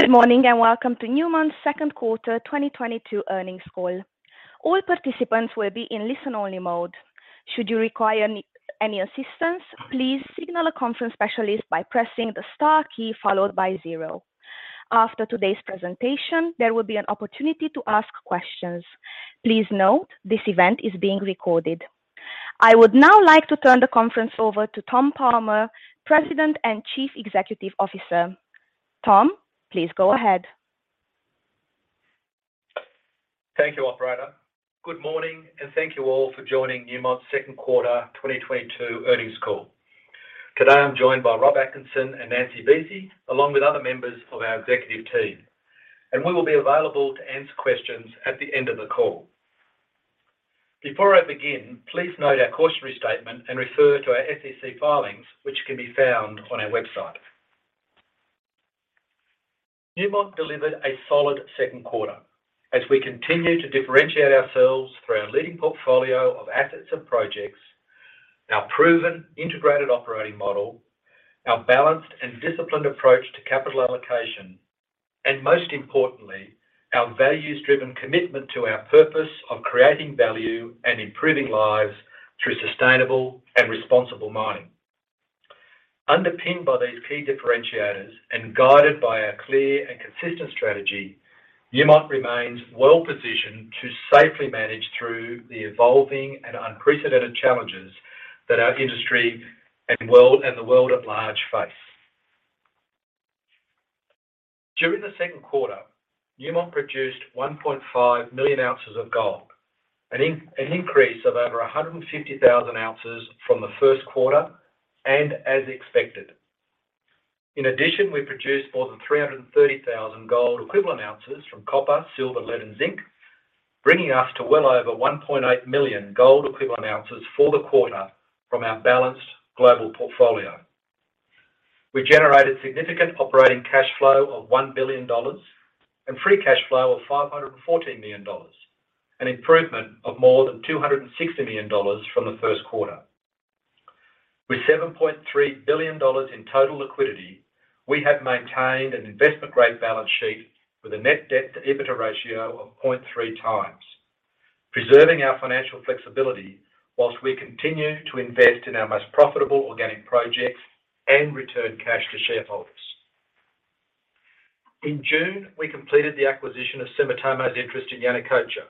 Good morning, and welcome to Newmont's Second Quarter 2022 Earnings Call. All participants will be in listen-only mode. Should you require any assistance, please signal a conference specialist by pressing the star key followed by zero. After today's presentation, there will be an opportunity to ask questions. Please note this event is being recorded. I would now like to turn the conference over to Tom Palmer, President and Chief Executive Officer. Tom, please go ahead. Thank you, operator. Good morning, and thank you all for joining Newmont's second quarter 2022 earnings call. Today, I'm joined by Rob Atkinson and Nancy Buese, along with other members of our executive team, and we will be available to answer questions at the end of the call. Before I begin, please note our cautionary statement and refer to our SEC filings, which can be found on our website. Newmont delivered a solid second quarter as we continue to differentiate ourselves through our leading portfolio of assets and projects, our proven integrated operating model, our balanced and disciplined approach to capital allocation, and most importantly, our values-driven commitment to our purpose of creating value and improving lives through sustainable and responsible mining. Underpinned by these key differentiators and guided by our clear and consistent strategy, Newmont remains well-positioned to safely manage through the evolving and unprecedented challenges that our industry and world, and the world at large face. During the second quarter, Newmont produced 1.5 million oz of gold, an increase of over 150,000 oz from the first quarter and as expected. In addition, we produced more than 330,000 Gold Equivalent Ounces from copper, silver, lead, and zinc, bringing us to well over 1.8 million Gold Equivalent Ounces for the quarter from our balanced global portfolio. We generated significant operating cash flow of $1 billion and free cash flow of $514 million, an improvement of more than $260 million from the first quarter. With $7.3 billion in total liquidity, we have maintained an investment-grade balance sheet with a net debt-to-EBITDA ratio of 0.3x, preserving our financial flexibility while we continue to invest in our most profitable organic projects and return cash to shareholders. In June, we completed the acquisition of Sumitomo's interest in Yanacocha,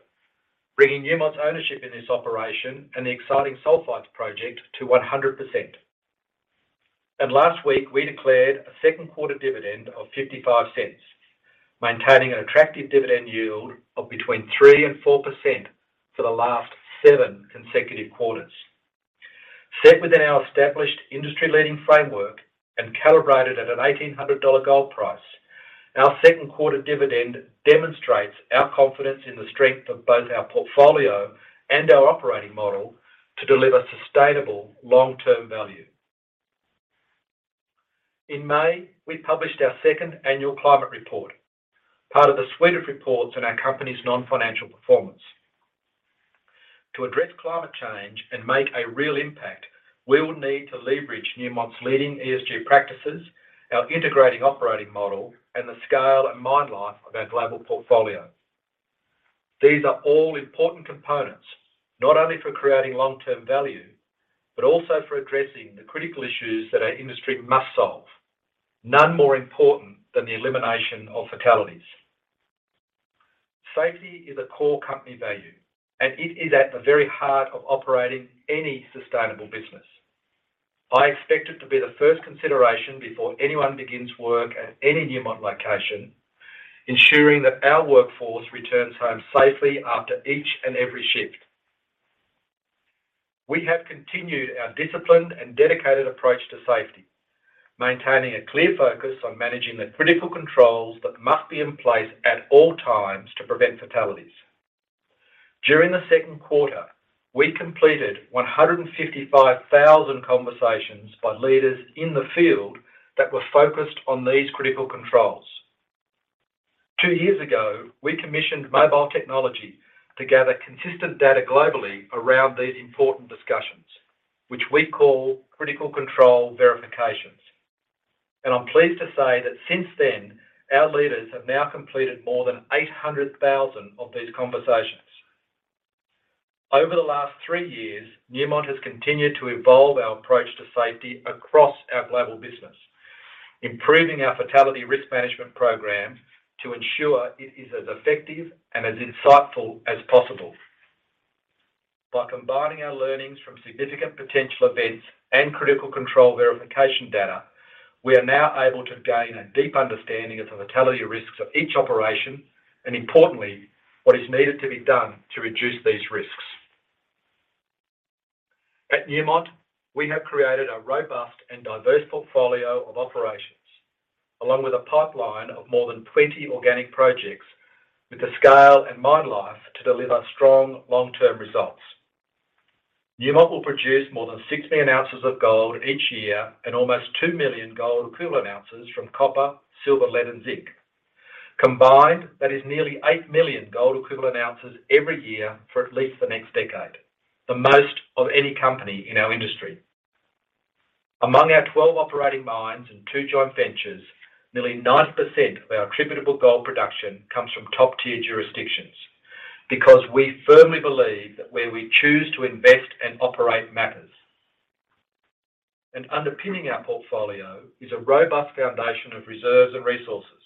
bringing Newmont's ownership in this operation and the exciting sulfides project to 100%. Last week, we declared a second quarter dividend of $0.55, maintaining an attractive dividend yield of between 3% and 4% for the last seven consecutive quarters. Set within our established industry-leading framework and calibrated at a $1,800 gold price, our second quarter dividend demonstrates our confidence in the strength of both our portfolio and our operating model to deliver sustainable long-term value. In May, we published our second annual climate report, part of the suite of reports in our company's non-financial performance. To address climate change and make a real impact, we will need to leverage Newmont's leading ESG practices, our integrating operating model, and the scale and mine life of our global portfolio. These are all important components, not only for creating long-term value, but also for addressing the critical issues that our industry must solve. None more important than the elimination of fatalities. Safety is a core company value, and it is at the very heart of operating any sustainable business. I expect it to be the first consideration before anyone begins work at any Newmont location, ensuring that our workforce returns home safely after each and every shift. We have continued our disciplined and dedicated approach to safety, maintaining a clear focus on managing the Critical Controls that must be in place at all times to prevent fatalities. During the second quarter, we completed 155,000 conversations by leaders in the field that were focused on these Critical Controls. two years ago, we commissioned mobile technology to gather consistent data globally around these important discussions, which we call Critical Control verifications. I'm pleased to say that since then, our leaders have now completed more than 800,000 of these conversations. Over the last three years, Newmont has continued to evolve our approach to safety across our global business, improving our fatality risk management program to ensure it is as effective and as insightful as possible. By combining our learnings from significant potential events and critical control verification data, we are now able to gain a deep understanding of the fatality risks of each operation, and importantly, what is needed to be done to reduce these risks. At Newmont, we have created a robust and diverse portfolio of operations, along with a pipeline of more than 20 organic projects with the scale and mine life to deliver strong long-term results. Newmont will produce more than 60 million ouncesof gold each year and almost 2 million Gold Equivalent Ounces from copper, silver, lead, and zinc. Combined, that is nearly 8 million Gold Equivalent Ounces every year for at least the next decade. The most of any company in our industry. Among our 12 operating mines and two joint ventures, nearly 9% of our attributable gold production comes from top-tier jurisdictions. Because we firmly believe that where we choose to invest and operate matters. Underpinning our portfolio is a robust foundation of reserves and resources,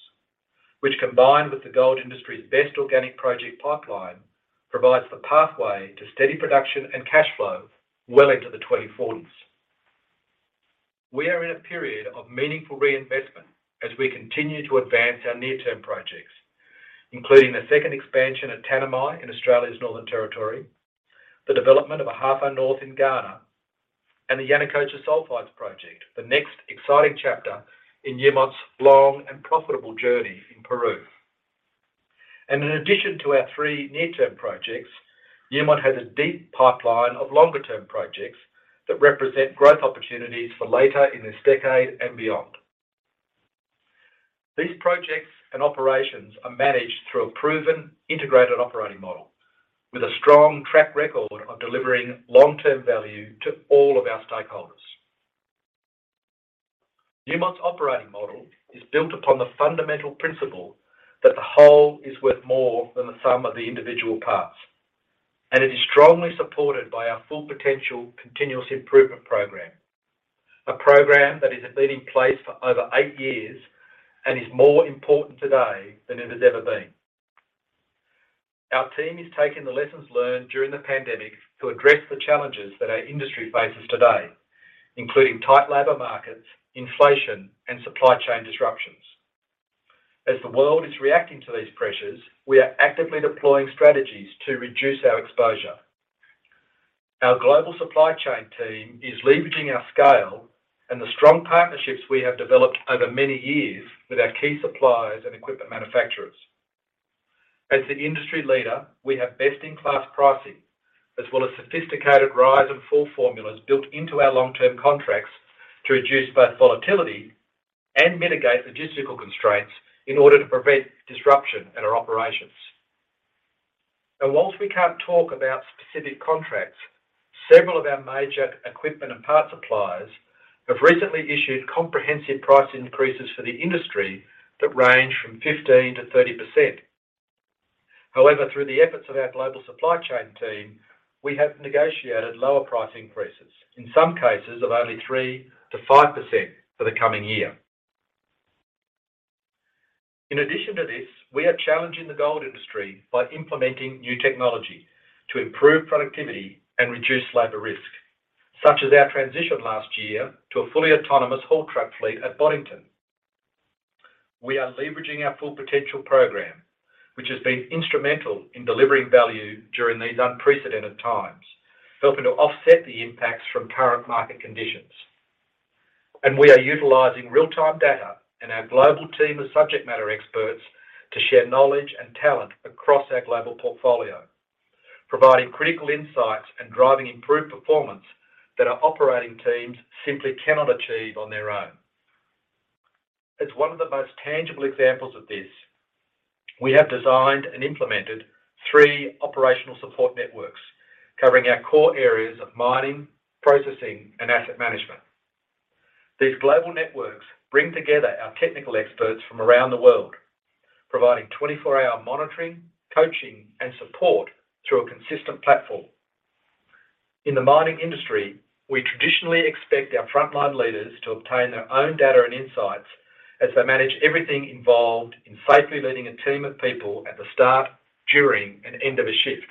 which combined with the gold industry's best organic project pipeline, provides the pathway to steady production and cash flow well into the 2040s. We are in a period of meaningful reinvestment as we continue to advance our near-term projects, including the second expansion at Tanami in Australia's Northern Territory, the development of Ahafo North in Ghana, and the Yanacocha Sulfides project, the next exciting chapter in Newmont's long and profitable journey in Peru. In addition to our three near-term projects, Newmont has a deep pipeline of longer-term projects that represent growth opportunities for later in this decade and beyond. These projects and operations are managed through a proven integrated operating model with a strong track record of delivering long-term value to all of our stakeholders. Newmont's operating model is built upon the fundamental principle that the whole is worth more than the sum of the individual parts, and it is strongly supported by our Full Potential continuous improvement program. A program that has been in place for over eight years and is more important today than it has ever been. Our team is taking the lessons learned during the pandemic to address the challenges that our industry faces today, including tight labor markets, inflation, and supply chain disruptions. As the world is reacting to these pressures, we are actively deploying strategies to reduce our exposure. Our global supply chain team is leveraging our scale and the strong partnerships we have developed over many years with our key suppliers and equipment manufacturers. As the industry leader, we have best-in-class pricing as well as sophisticated rise and fall formulas built into our long-term contracts to reduce both volatility and mitigate logistical constraints in order to prevent disruption at our operations. Now, while we can't talk about specific contracts, several of our major equipment and part suppliers have recently issued comprehensive price increases for the industry that range from 15%-30%. However, through the efforts of our global supply chain team, we have negotiated lower price increases, in some cases of only 3%-5% for the coming year. In addition to this, we are challenging the gold industry by implementing new technology to improve productivity and reduce labor risk, such as our transition last year to a fully autonomous haul truck fleet at Boddington. We are leveraging our Full Potential program, which has been instrumental in delivering value during these unprecedented times, helping to offset the impacts from current market conditions. We are utilizing real-time data and our global team of subject matter experts to share knowledge and talent across our global portfolio, providing critical insights and driving improved performance that our operating teams simply cannot achieve on their own. As one of the most tangible examples of this, we have designed and implemented three operational support networks covering our core areas of mining, processing, and asset management. These global networks bring together our technical experts from around the world, providing 24-hour monitoring, coaching, and support through a consistent platform. In the mining industry, we traditionally expect our frontline leaders to obtain their own data and insights as they manage everything involved in safely leading a team of people at the start, during, and end of a shift.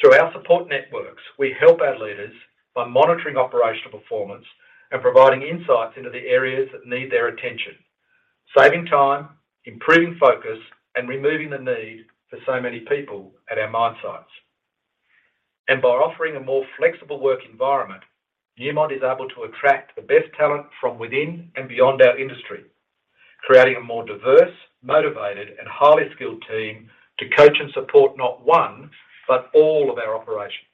Through our support networks, we help our leaders by monitoring operational performance and providing insights into the areas that need their attention, saving time, improving focus, and removing the need for so many people at our mine sites. By offering a more flexible work environment, Newmont is able to attract the best talent from within and beyond our industry, creating a more diverse, motivated, and highly skilled team to coach and support not one, but all of our operations.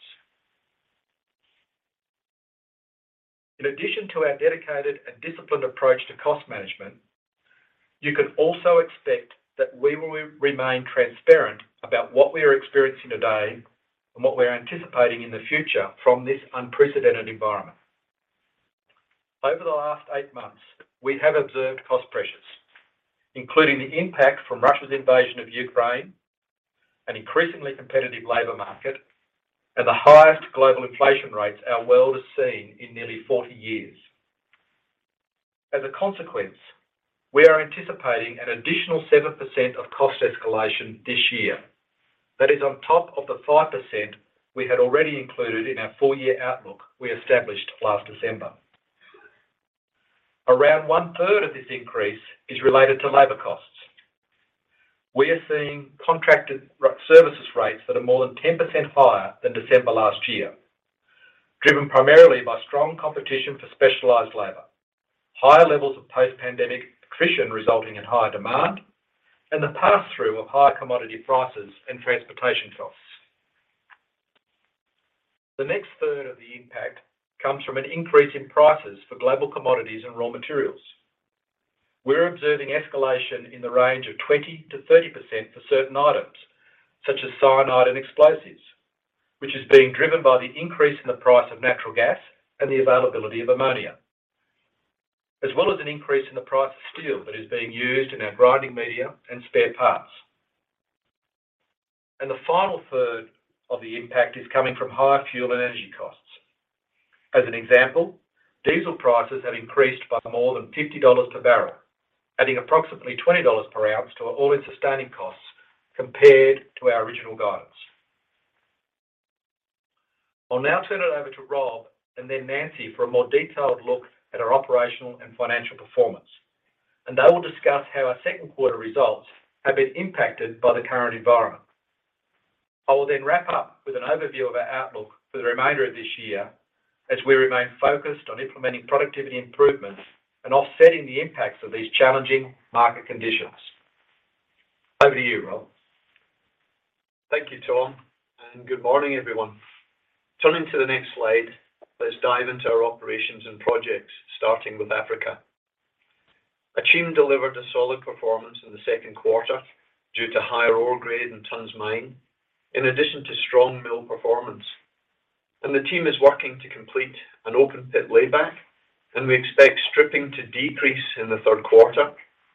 In addition to our dedicated and disciplined approach to cost management, you can also expect that we will remain transparent about what we are experiencing today and what we are anticipating in the future from this unprecedented environment. Over the last eight months, we have observed cost pressures, including the impact from Russia's invasion of Ukraine, an increasingly competitive labor market, and the highest global inflation rates our world has seen in nearly 40 years. As a consequence, we are anticipating an additional 7% of cost escalation this year. That is on top of the 5% we had already included in our full-year outlook we established last December. Around 1/3 of this increase is related to labor costs. We are seeing contracted services rates that are more than 10% higher than December last year, driven primarily by strong competition for specialized labor, higher levels of post-pandemic attrition resulting in higher demand, and the pass-through of higher commodity prices and transportation costs. The next third of the impact comes from an increase in prices for global commodities and raw materials. We're observing escalation in the range of 20%-30% for certain items, such as cyanide and explosives, which is being driven by the increase in the price of natural gas and the availability of ammonia, as well as an increase in the price of steel that is being used in our grinding media and spare parts. The final third of the impact is coming from higher fuel and energy costs. As an example, diesel prices have increased by more than $50 per barrel, adding approximately $20 per ounce to our All-In Sustaining Costs compared to our original guidance. I'll now turn it over to Rob and then Nancy for a more detailed look at our operational and financial performance. They will discuss how our second quarter results have been impacted by the current environment. I will then wrap up with an overview of our outlook for the remainder of this year as we remain focused on implementing productivity improvements and offsetting the impacts of these challenging market conditions. Over to you, Rob. Thank you, Tom, and good morning, everyone. Turning to the next slide, let's dive into our operations and projects, starting with Africa. Akyem delivered a solid performance in the second quarter due to higher ore grade and tonnes mined, in addition to strong mill performance. The team is working to complete an open pit layback, and we expect stripping to decrease in the third quarter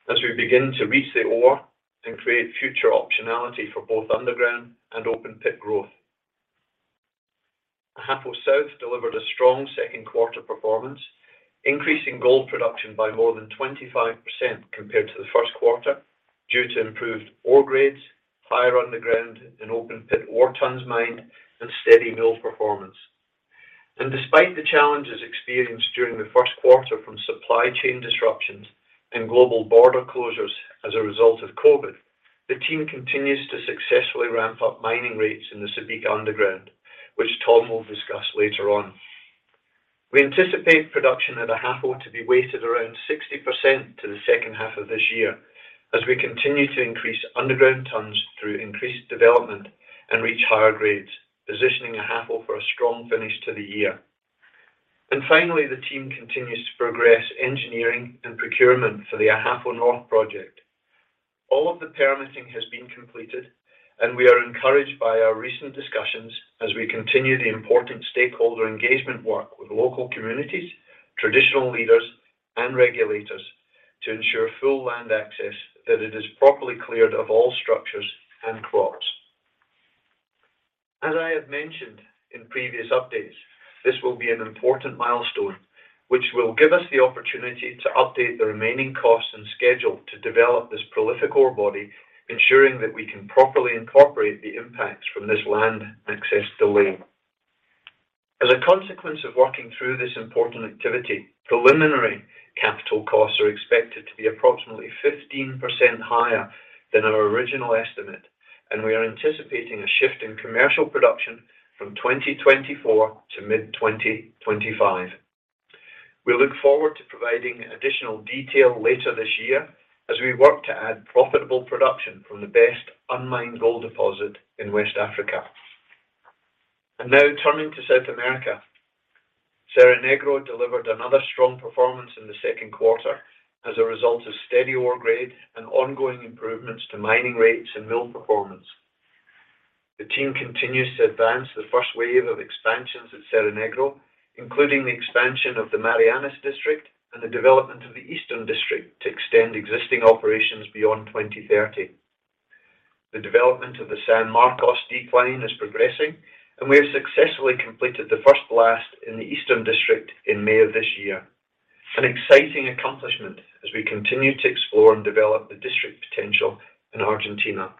as we begin to reach the ore and create future optionality for both underground and open pit growth. Ahafo South delivered a strong second quarter performance, increasing gold production by more than 25% compared to the first quarter due to improved ore grades, higher underground and open pit ore tonnes mined, and steady mill performance. Despite the challenges experienced during the first quarter from supply chain disruptions and global border closures as a result of COVID, the team continues to successfully ramp up mining rates in the Subika underground, which Tom will discuss later on. We anticipate production at Ahafo to be weighted around 60% to the second half of this year as we continue to increase underground tonnes through increased development and reach higher grades, positioning Ahafo for a strong finish to the year. Finally, the team continues to progress engineering and procurement for the Ahafo North project. All of the permitting has been completed, and we are encouraged by our recent discussions as we continue the important stakeholder engagement work with local communities, traditional leaders and regulators to ensure full land access that it is properly cleared of all structures and crops. As I have mentioned in previous updates, this will be an important milestone which will give us the opportunity to update the remaining costs and schedule to develop this prolific ore body, ensuring that we can properly incorporate the impacts from this land access delay. As a consequence of working through this important activity, preliminary capital costs are expected to be approximately 15% higher than our original estimate, and we are anticipating a shift in commercial production from 2024 to mid-2025. We look forward to providing additional detail later this year as we work to add profitable production from the best unmined gold deposit in West Africa. Now turning to South America. Cerro Negro delivered another strong performance in the second quarter as a result of steady ore grade and ongoing improvements to mining rates and mill performance. The team continues to advance the first wave of expansions at Cerro Negro, including the expansion of the Marianas District and the development of the Eastern District to extend existing operations beyond 2030. The development of the San Marcos decline is progressing, and we have successfully completed the first blast in the Eastern District in May of this year. An exciting accomplishment as we continue to explore and develop the district potential in Argentina.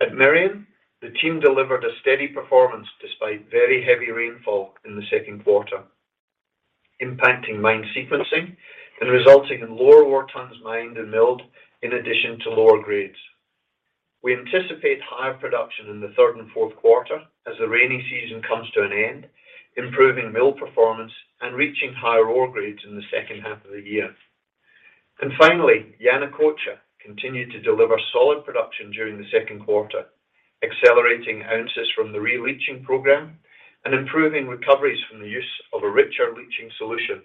At Merian, the team delivered a steady performance despite very heavy rainfall in the second quarter, impacting mine sequencing and resulting in lower ore tons mined and milled in addition to lower grades. We anticipate higher production in the third and fourth quarter as the rainy season comes to an end, improving mill performance and reaching higher ore grades in the second half of the year. Finally, Yanacocha continued to deliver solid production during the second quarter, accelerating ounces from the releaching program and improving recoveries from the use of a richer leaching solution.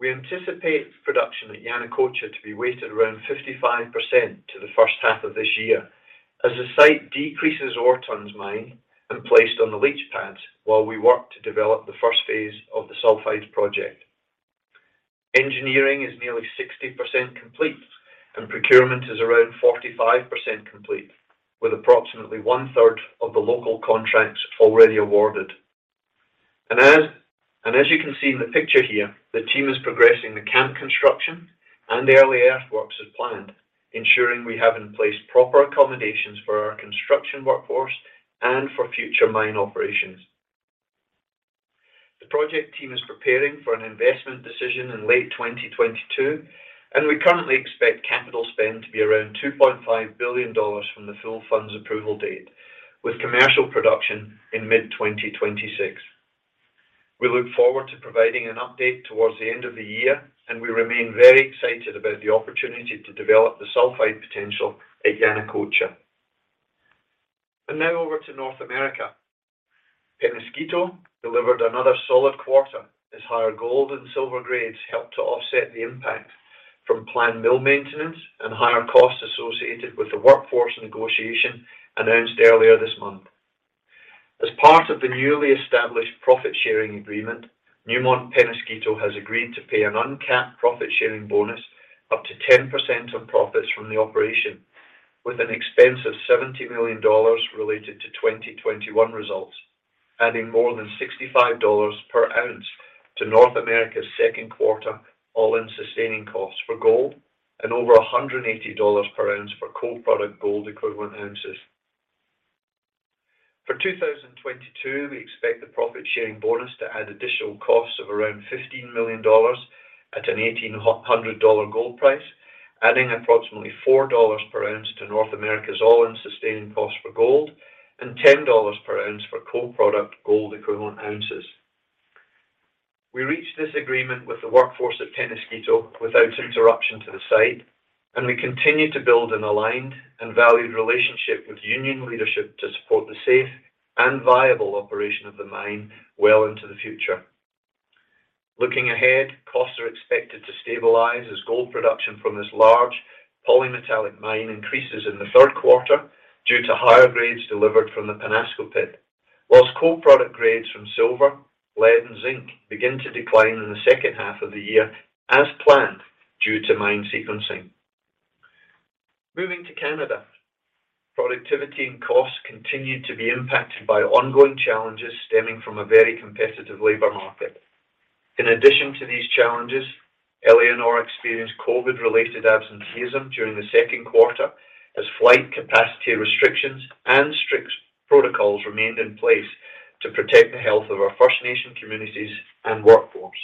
We anticipate production at Yanacocha to be weighted around 55% to the first half of this year as the site decreases ore tonnes mined and placed on the leach pads while we work to develop the first phase of the Sulfides project. Engineering is nearly 60% complete and procurement is around 45% complete, with approximately 1/3 of the local contracts already awarded. As you can see in the picture here, the team is progressing the camp construction and early earthworks as planned, ensuring we have in place proper accommodations for our construction workforce and for future mine operations. The project team is preparing for an investment decision in late 2022, and we currently expect capital spend to be around $2.5 billion from the full funds approval date, with commercial production in mid-2026. We look forward to providing an update towards the end of the year, and we remain very excited about the opportunity to develop the sulfide potential at Yanacocha. Now over to North America. Peñasquito delivered another solid quarter as higher gold and silver grades helped to offset the impact from planned mill maintenance and higher costs associated with the workforce negotiation announced earlier this month. As part of the newly established profit-sharing agreement, Newmont Peñasquito has agreed to pay an uncapped profit-sharing bonus up to 10% of profits from the operation, with an expense of $70 million related to 2021 results, adding more than $65 per ounce to North America's second quarter All-In sustaining Costs for gold and over $180 per ounce for co-product Gold Equivalent Ounces. For 2022, we expect the profit-sharing bonus to add additional costs of around $15 million at an $1,800 gold price, adding approximately $4 per ounce to North America's All-In Sustaining Cost for gold and $10 per ounce for co-product Gold Equivalent Ounces. We reached this agreement with the workforce at Peñasquito without interruption to the site, and we continue to build an aligned and valued relationship with union leadership to support the safe and viable operation of the mine well into the future. Looking ahead, costs are expected to stabilize as gold production from this large polymetallic mine increases in the third quarter due to higher grades delivered from the Peñasco Pit. While co-product grades from silver, lead, and zinc begin to decline in the second half of the year as planned due to mine sequencing. Moving to Canada, productivity and costs continue to be impacted by ongoing challenges stemming from a very competitive labor market. In addition to these challenges, Éléonore experienced COVID-related absenteeism during the second quarter as flight capacity restrictions and strict protocols remained in place to protect the health of our First Nation communities and workforce.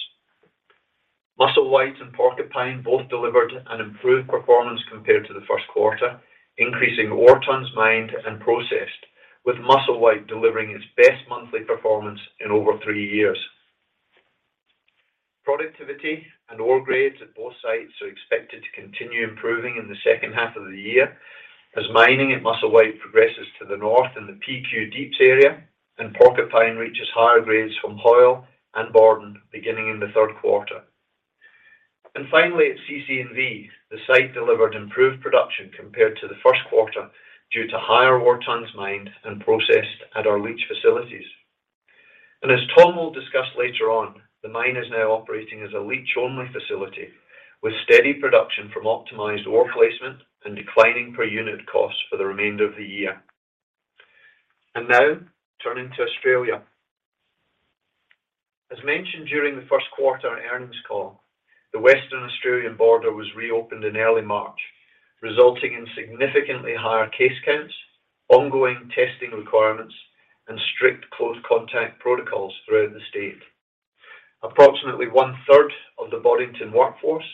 Musselwhite and Porcupine both delivered an improved performance compared to the first quarter, increasing ore tons mined and processed, with Musselwhite delivering its best monthly performance in over three years. Productivity and ore grades at both sites are expected to continue improving in the second half of the year as mining at Musselwhite progresses to the north in the PQ Deeps area, and Porcupine reaches higher grades from Hoyle and Borden beginning in the third quarter. Finally, at CC&V, the site delivered improved production compared to the first quarter due to higher ore tons mined and processed at our leach facilities. As Tom will discuss later on, the mine is now operating as a leach-only facility with steady production from optimized ore placement and declining per unit costs for the remainder of the year. Now, turning to Australia. As mentioned during the first quarter earnings call, the Western Australian border was reopened in early March, resulting in significantly higher case counts, ongoing testing requirements, and strict close contact protocols throughout the state. Approximately 1/3 of the Boddington workforce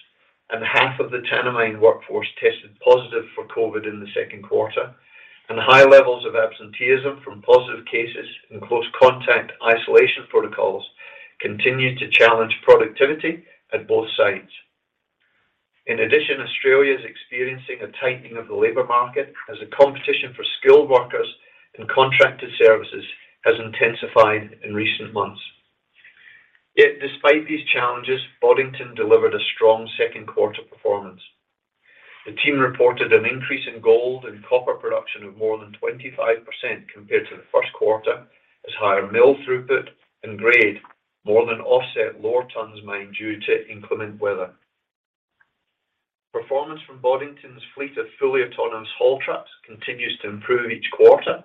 and half of the Tanami workforce tested positive for COVID in the second quarter, and high levels of absenteeism from positive cases and close contact isolation protocols continued to challenge productivity at both sites. In addition, Australia is experiencing a tightening of the labor market as a competition for skilled workers and contracted services has intensified in recent months. Yet despite these challenges, Boddington delivered a strong second quarter performance. The team reported an increase in gold and copper production of more than 25% compared to the first quarter as higher mill throughput and grade more than offset lower tons mined due to inclement weather. Performance from Boddington's fleet of fully autonomous haul trucks continues to improve each quarter,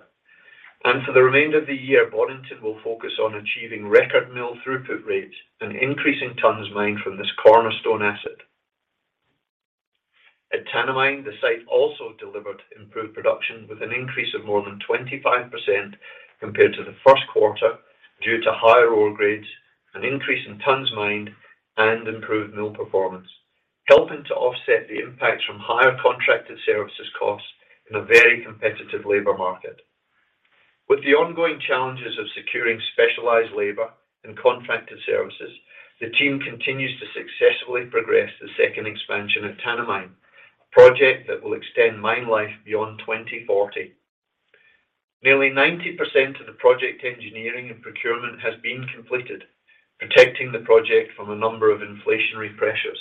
and for the remainder of the year, Boddington will focus on achieving record mill throughput rates and increasing tons mined from this cornerstone asset. At Tanami, the site also delivered improved production with an increase of more than 25% compared to the first quarter due to higher ore grades, an increase in tons mined, and improved mill performance, helping to offset the impacts from higher contracted services costs in a very competitive labor market. With the ongoing challenges of securing specialized labor and contracted services, the team continues to successfully progress the second expansion of Tanami, a project that will extend mine life beyond 2040. Nearly 90% of the project engineering and procurement has been completed, protecting the project from a number of inflationary pressures.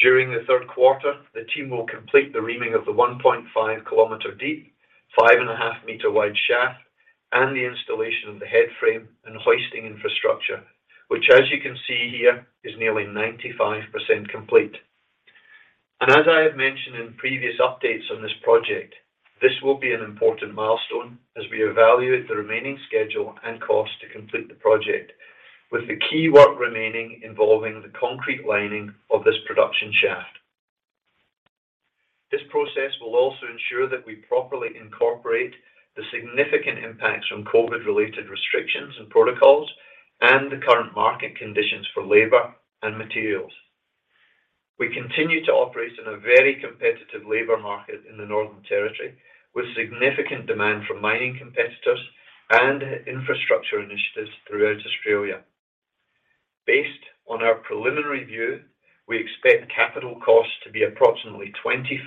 During the third quarter, the team will complete the reaming of the 1.5 km-deep, 5.5-meter-wide shaft, and the installation of the headframe and hoisting infrastructure, which as you can see here, is nearly 95% complete. As I have mentioned in previous updates on this project, this will be an important milestone as we evaluate the remaining schedule and cost to complete the project, with the key work remaining involving the concrete lining of this production shaft. This process will also ensure that we properly incorporate the significant impacts from COVID-related restrictions and protocols and the current market conditions for labor and materials. We continue to operate in a very competitive labor market in the Northern Territory, with significant demand from mining competitors and infrastructure initiatives throughout Australia. Based on our preliminary view, we expect capital costs to be approximately 25%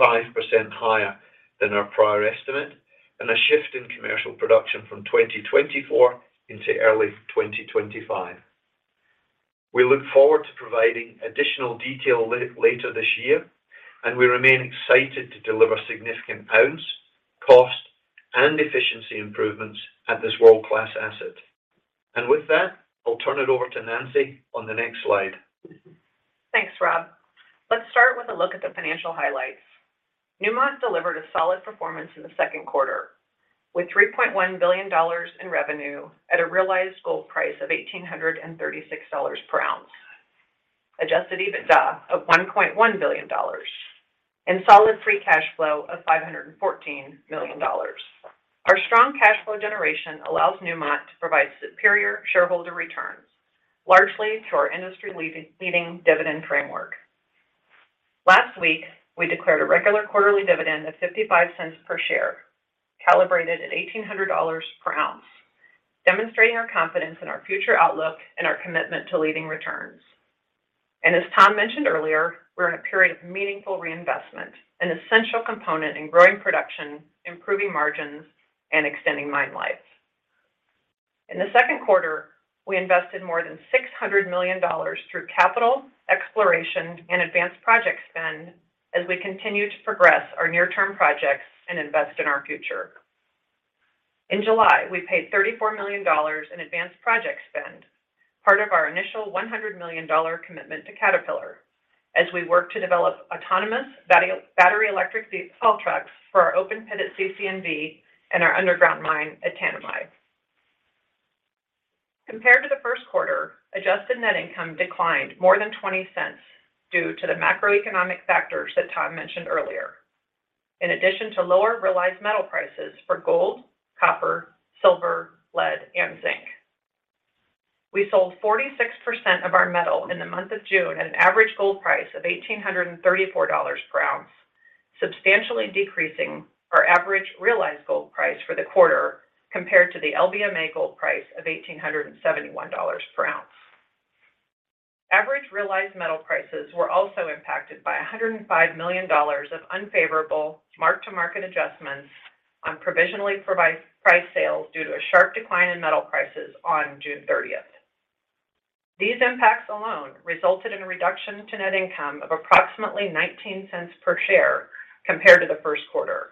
higher than our prior estimate and a shift in commercial production from 2024 into early 2025. We look forward to providing additional detail later this year, and we remain excited to deliver significant ounce, cost, and efficiency improvements at this world-class asset. With that, I'll turn it over to Nancy on the next slide. Thanks, Rob. Let's start with a look at the financial highlights. Newmont delivered a solid performance in the second quarter with $3.1 billion in revenue at a realized gold price of $1,836 per ounce, adjusted EBITDA of $1.1 billion, and solid free cash flow of $514 million. Our strong cash flow generation allows Newmont to provide superior shareholder returns, largely through our industry-leading dividend framework. Last week, we declared a regular quarterly dividend of 55 cents per share, calibrated at $1,800 per ounce, demonstrating our confidence in our future outlook and our commitment to leading returns. As Tom mentioned earlier, we're in a period of meaningful reinvestment, an essential component in growing production, improving margins, and extending mine lives. In the second quarter, we invested more than $600 million through capital, exploration, and advanced project spend as we continue to progress our near-term projects and invest in our future. In July, we paid $34 million in advanced project spend, part of our initial $100 million commitment to Caterpillar as we work to develop autonomous battery electric haul trucks for our open pit at CC&V and our underground mine at Tanami. Compared to the first quarter, Adjusted Net Income declined more than $0.20 due to the macroeconomic factors that Tom mentioned earlier. In addition to lower realized metal prices for gold, copper, silver, lead, and zinc. We sold 46% of our metal in the month of June at an average gold price of $1,834 per ounce, substantially decreasing our average realized gold price for the quarter compared to the LBMA gold price of $1,871 per ounce. Average realized metal prices were also impacted by $105 million of unfavorable mark-to-market adjustments on provisionally priced sales due to a sharp decline in metal prices on June 30. These impacts alone resulted in a reduction to net income of approximately $0.19 per share compared to the first quarter,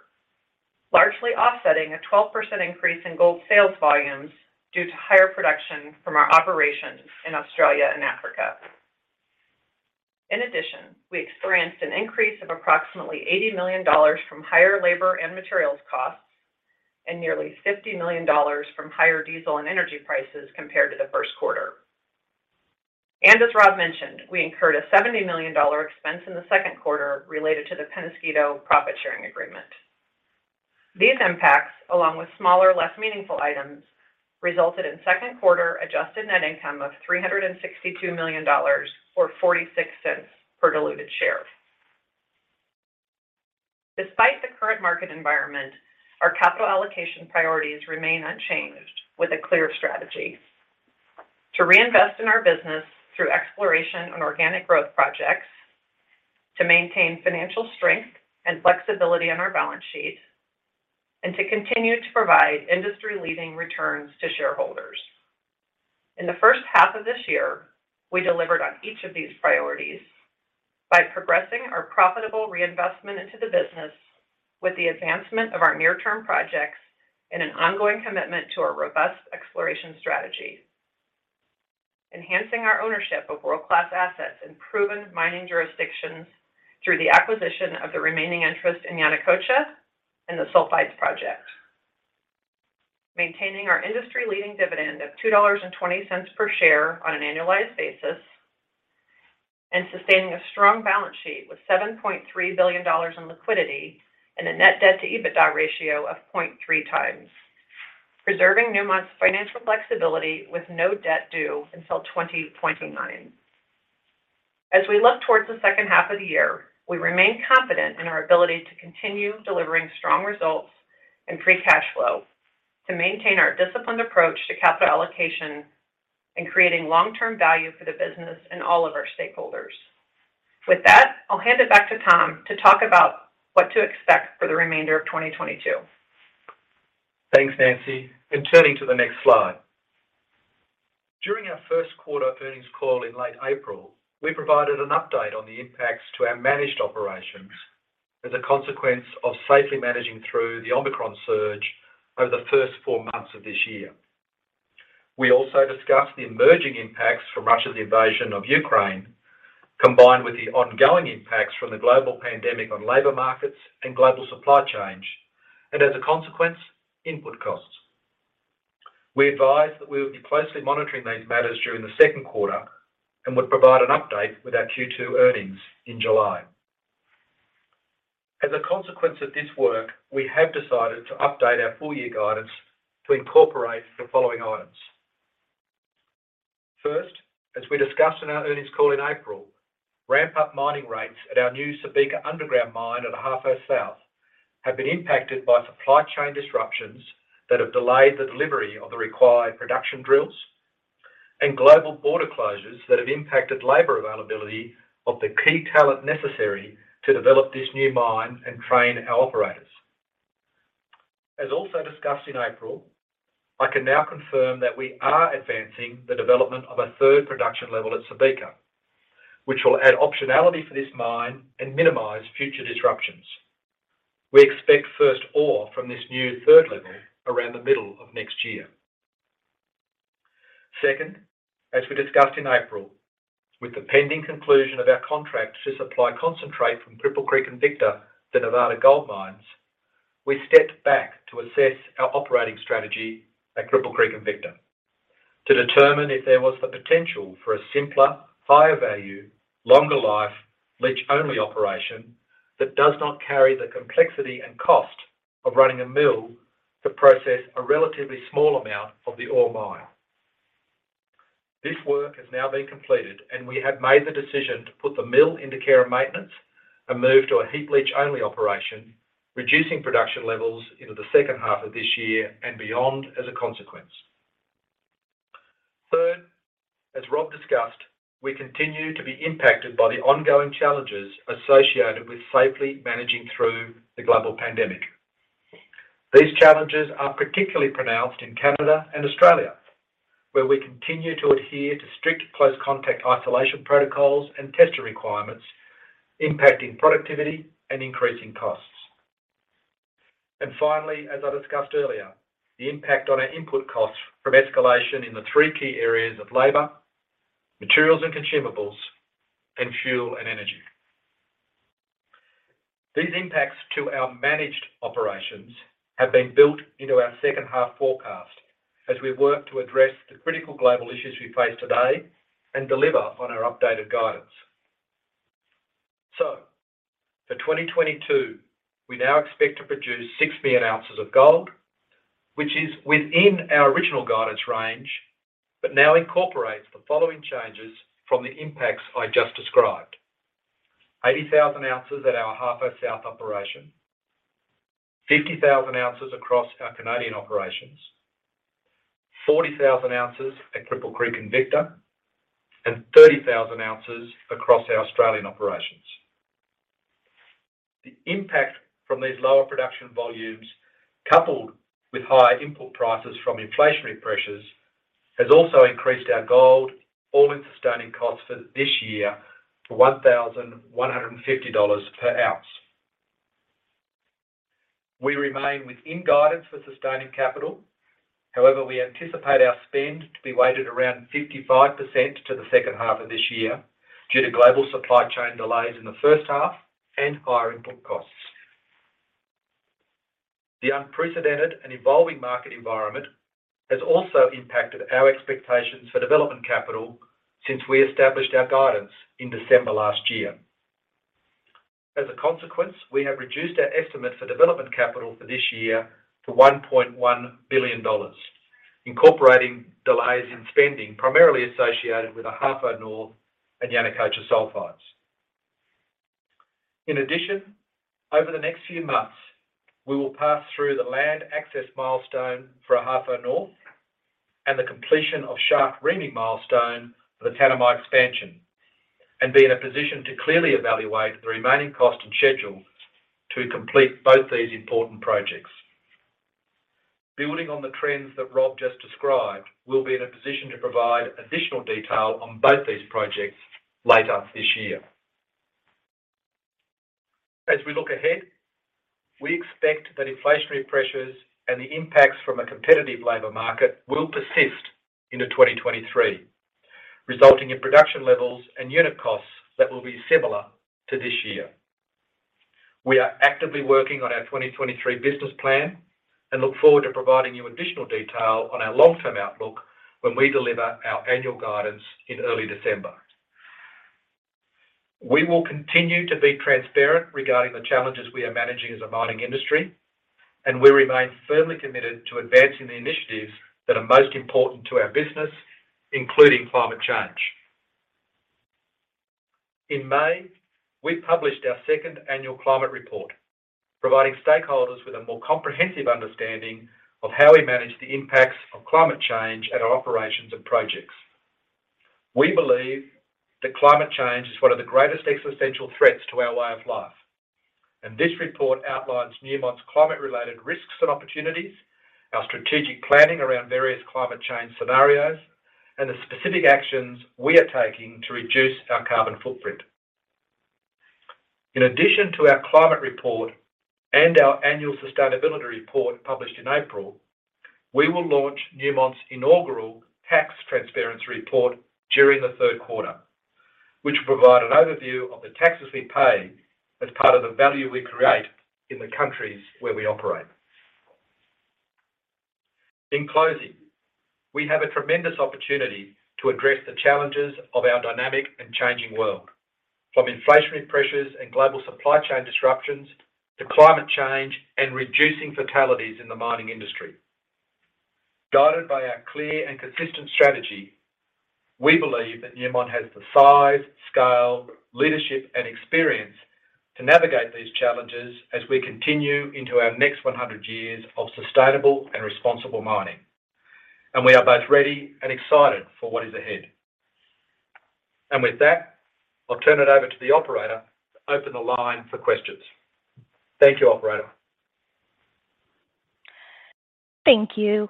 largely offsetting a 12% increase in gold sales volumes due to higher production from our operations in Australia and Africa. In addition, we experienced an increase of approximately $80 million from higher labor and materials costs, and nearly $50 million from higher diesel and energy prices compared to the first quarter. As Rob mentioned, we incurred a $70 million expense in the second quarter related to the Peñasquito profit-sharing agreement. These impacts, along with smaller, less meaningful items, resulted in second quarter Adjusted Net Income of $362 million or $0.46 per diluted share. Despite the current market environment, our capital allocation priorities remain unchanged with a clear strategy, to reinvest in our business through exploration on organic growth projects, to maintain financial strength and flexibility on our balance sheet, and to continue to provide industry-leading returns to shareholders. In the first half of this year, we delivered on each of these priorities by progressing our profitable reinvestment into the business with the advancement of our near-term projects and an ongoing commitment to our robust exploration strategy, enhancing our ownership of world-class assets in proven mining jurisdictions through the acquisition of the remaining interest in Yanacocha and the Sulfides project, maintaining our industry-leading dividend of $2.20 per share on an annualized basis, and sustaining a strong balance sheet with $7.3 billion in liquidity and a net debt-to-EBITDA ratio of 0.3x. Preserving Newmont's financial flexibility with no debt due until 2029. As we look towards the second half of the year, we remain confident in our ability to continue delivering strong results and free cash flow to maintain our disciplined approach to capital allocation and creating long-term value for the business and all of our stakeholders. With that, I'll hand it back to Tom to talk about what to expect for the remainder of 2022. Thanks, Nancy. Turning to the next slide. During our first quarter earnings call in late April, we provided an update on the impacts to our managed operations as a consequence of safely managing through the Omicron surge over the first four months of this year. We also discussed the emerging impacts from Russia's invasion of Ukraine, combined with the ongoing impacts from the global pandemic on labor markets and global supply chains, and as a consequence, input costs. We advised that we would be closely monitoring these matters during the second quarter and would provide an update with our Q2 earnings in July. As a consequence of this work, we have decided to update our full-year guidance to incorporate the following items. First, as we discussed in our earnings call in April, ramp up mining rates at our new Subika underground mine at Ahafo South have been impacted by supply chain disruptions that have delayed the delivery of the required production drills and global border closures that have impacted labor availability of the key talent necessary to develop this new mine and train our operators. As also discussed in April, I can now confirm that we are advancing the development of a third production level at Subika, which will add optionality for this mine and minimize future disruptions. We expect first ore from this new third level around the middle of next year. Second, as we discussed in April, with the pending conclusion of our contract to supply concentrate from Cripple Creek & Victor, Nevada Gold Mines, we stepped back to assess our operating strategy at Cripple Creek & Victor to determine if there was the potential for a simpler, higher value, longer life Leach-Only Operation that does not carry the complexity and cost of running a mill to process a relatively small amount of the ore mined. This work has now been completed, and we have made the decision to put the mill into care and maintenance and move to a heap Leach-Only Operation, reducing production levels into the second half of this year and beyond as a consequence. Third, as Rob discussed, we continue to be impacted by the ongoing challenges associated with safely managing through the global pandemic. These challenges are particularly pronounced in Canada and Australia, where we continue to adhere to strict close contact isolation protocols and testing requirements, impacting productivity and increasing costs. Finally, as I discussed earlier, the impact on our input costs from escalation in the three key areas of labor, materials and consumables, and fuel and energy. These impacts to our managed operations have been built into our second half forecast as we work to address the critical global issues we face today and deliver on our updated guidance. For 2022, we now expect to produce 6 million ounces of gold, which is within our original guidance range, but now incorporates the following changes from the impacts I just described. 80,000 oz at our Ahafo South operation, 50,000 oz across our Canadian operations, 40,000 oz at Cripple Creek and Victor, and 30,000 oz across our Australian operations. The impact from these lower production volumes, coupled with higher input prices from inflationary pressures, has also increased our gold All-In Sustaining Costs for this year to $1,150 per oz. We remain within guidance for Sustaining Capital. However, we anticipate our spend to be weighted around 55% to the second half of this year due to global supply chain delays in the first half and higher input costs. The unprecedented and evolving market environment has also impacted our expectations for Development Capital since we established our guidance in December last year. As a consequence, we have reduced our estimates for Development Capital for this year to $1.1 billion, incorporating delays in spending primarily associated with the Ahafo North and Yanacocha Sulfides. In addition, over the next few months, we will pass through the land access milestone for Ahafo North and the completion of shaft reaming milestone for the Tanami Expansion and be in a position to clearly evaluate the remaining cost and schedule to complete both these important projects. Building on the trends that Rob just described, we'll be in a position to provide additional detail on both these projects later this year. As we look ahead, we expect that inflationary pressures and the impacts from a competitive labor market will persist into 2023, resulting in production levels and unit costs that will be similar to this year. We are actively working on our 2023 business plan and look forward to providing you additional detail on our long-term outlook when we deliver our annual guidance in early December. We will continue to be transparent regarding the challenges we are managing as a mining industry, and we remain firmly committed to advancing the initiatives that are most important to our business, including climate change. In May, we published our second annual climate report, providing stakeholders with a more comprehensive understanding of how we manage the impacts of climate change at our operations and projects. We believe that climate change is one of the greatest existential threats to our way of life, and this report outlines Newmont's climate related risks and opportunities, our strategic planning around various climate change scenarios, and the specific actions we are taking to reduce our carbon footprint. In addition to our climate report and our annual sustainability report published in April, we will launch Newmont's inaugural tax transparency report during the third quarter, which will provide an overview of the taxes we pay as part of the value we create in the countries where we operate. In closing, we have a tremendous opportunity to address the challenges of our dynamic and changing world, from inflationary pressures and global supply chain disruptions to climate change and reducing fatalities in the mining industry. Guided by our clear and consistent strategy, we believe that Newmont has the size, scale, leadership, and experience to navigate these challenges as we continue into our next 100 years of sustainable and responsible mining. We are both ready and excited for what is ahead. With that, I'll turn it over to the operator to open the line for questions. Thank you, operator. Thank you.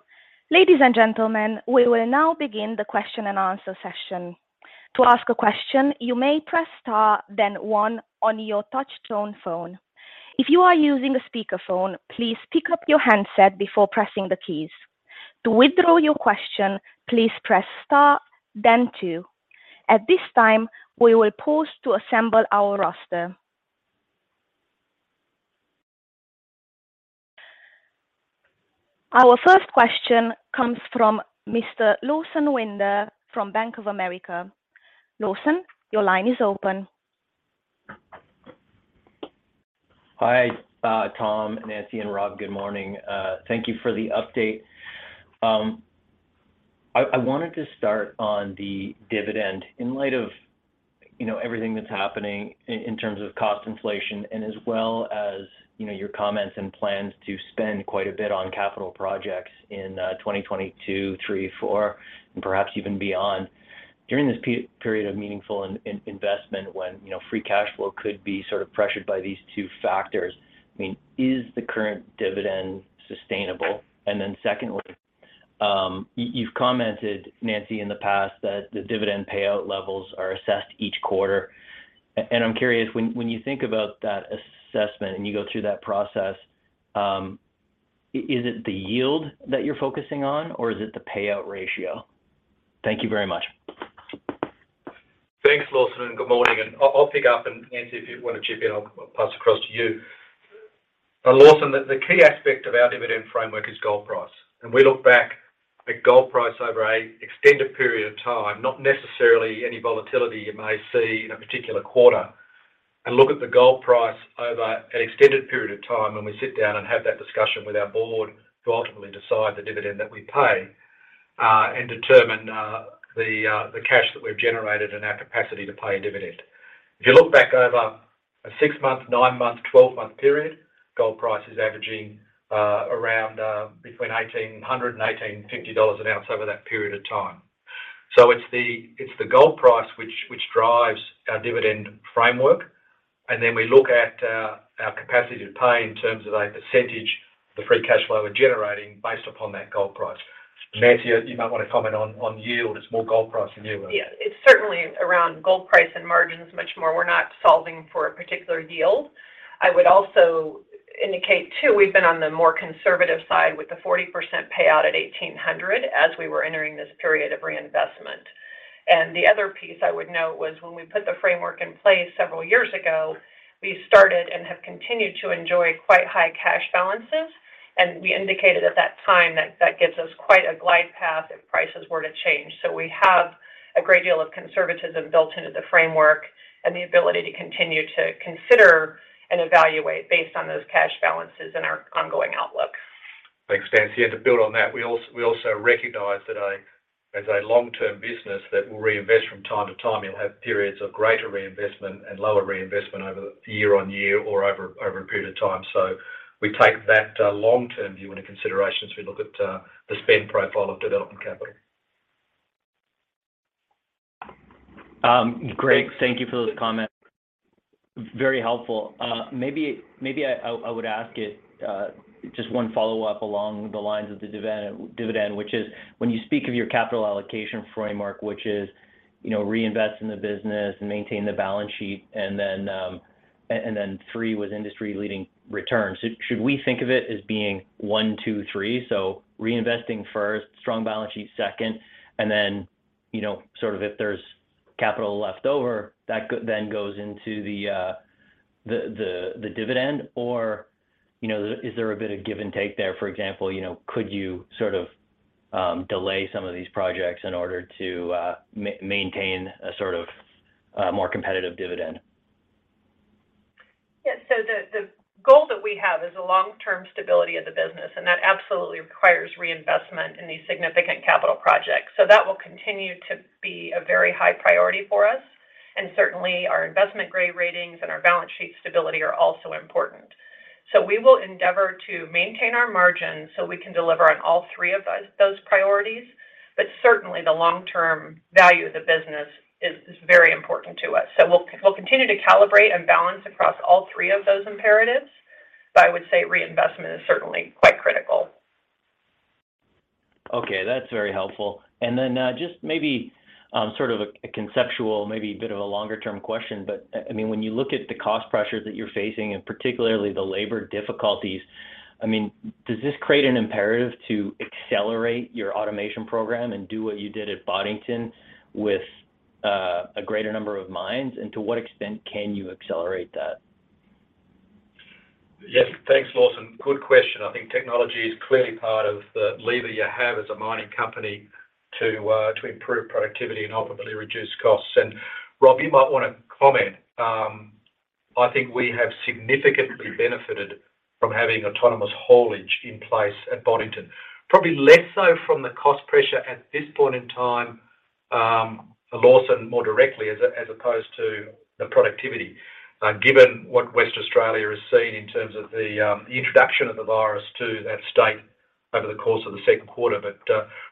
Ladies and gentlemen, we will now begin the question and answer session. To ask a question, you may press star then one on your touchtone phone. If you are using a speakerphone, please pick up your handset before pressing the keys. To withdraw your question, please press star then two. At this time, we will pause to assemble our roster. Our first question comes from Mr. Lawson Winder from Bank of America. Lawson, your line is open. Hi, Tom, Nancy, and Rob. Good morning. Thank you for the update. I wanted to start on the dividend. In light of, you know, everything that's happening in terms of cost inflation and as well as, you know, your comments and plans to spend quite a bit on capital projects in 2022, 2023, 2024, and perhaps even beyond, during this period of meaningful investment when, you know, free cash flow could be sort of pressured by these two factors, I mean, is the current dividend sustainable? Secondly, you've commented, Nancy, in the past that the dividend payout levels are assessed each quarter. I'm curious, when you think about that assessment and you go through that process, is it the yield that you're focusing on or is it the payout ratio? Thank you very much. Thanks, Lawson, and good morning. I'll pick up, and Nancy, if you wanna chip in, I'll pass across to you. Lawson, the key aspect of our dividend framework is gold price. We look back at gold price over an extended period of time, not necessarily any volatility you may see in a particular quarter. Look at the gold price over an extended period of time, and we sit down and have that discussion with our board to ultimately decide the dividend that we pay, and determine the cash that we've generated and our capacity to pay a dividend. If you look back over a six-month, nine-month, 12-month period, gold price is averaging around between $1,800-$1,850 an oz over that period of time. It's the gold price which drives our dividend framework. Then we look at our capacity to pay in terms of a percentage, the free cash flow we're generating based upon that gold price. Nancy, you might wanna comment on yield. It's more gold price than yield. Yeah. It's certainly around gold price and margins much more. We're not solving for a particular yield. I would also indicate too, we've been on the more conservative side with the 40% payout at $1,800 as we were entering this period of reinvestment. The other piece I would note was when we put the framework in place several years ago, we started and have continued to enjoy quite high cash balances. We indicated at that time that that gives us quite a glide path if prices were to change. We have a great deal of conservatism built into the framework and the ability to continue to consider and evaluate based on those cash balances and our ongoing outlook. Thanks, Nancy. To build on that, we also recognize that as a long-term business that will reinvest from time to time, you'll have periods of greater reinvestment and lower reinvestment over year-over-year or over a period of time. We take that long-term view into consideration as we look at the spend profile of Development Capital. Great. Thank you for those comments. Very helpful. Maybe I would ask it just one follow-up along the lines of the dividend, which is when you speak of your capital allocation framework, which is, you know, reinvest in the business and maintain the balance sheet and then and then three, with industry-leading returns. Should we think of it as being one, two, three? So reinvesting first, strong balance sheet second, and then, you know, sort of if there's capital left over, then goes into the dividend? Or, you know, is there a bit of give and take there? For example, you know, could you sort of delay some of these projects in order to maintain a sort of more competitive dividend? Yeah. The goal that we have is the long-term stability of the business, and that absolutely requires reinvestment in these significant capital projects. That will continue to be a very high priority for us, and certainly our investment-grade ratings and our balance sheet stability are also important. We will endeavor to maintain our margins, so we can deliver on all three of those priorities. Certainly the long-term value of the business is very important to us. We'll continue to calibrate and balance across all three of those imperatives, but I would say reinvestment is certainly quite critical. Okay. That's very helpful. Just maybe sort of a conceptual maybe a bit of a longer term question, but I mean, when you look at the cost pressures that you're facing and particularly the labor difficulties, I mean, does this create an imperative to accelerate your automation program and do what you did at Boddington with a greater number of mines? To what extent can you accelerate that? Yes. Thanks, Lawson. Good question. I think technology is clearly part of the lever you have as a mining company to improve productivity and ultimately reduce costs. Rob, you might wanna comment. I think we have significantly benefited from having autonomous haulage in place at Boddington. Probably less so from the cost pressure at this point in time, Lawson, more directly as opposed to the productivity, given what Western Australia has seen in terms of the introduction of the virus to that state over the course of the second quarter.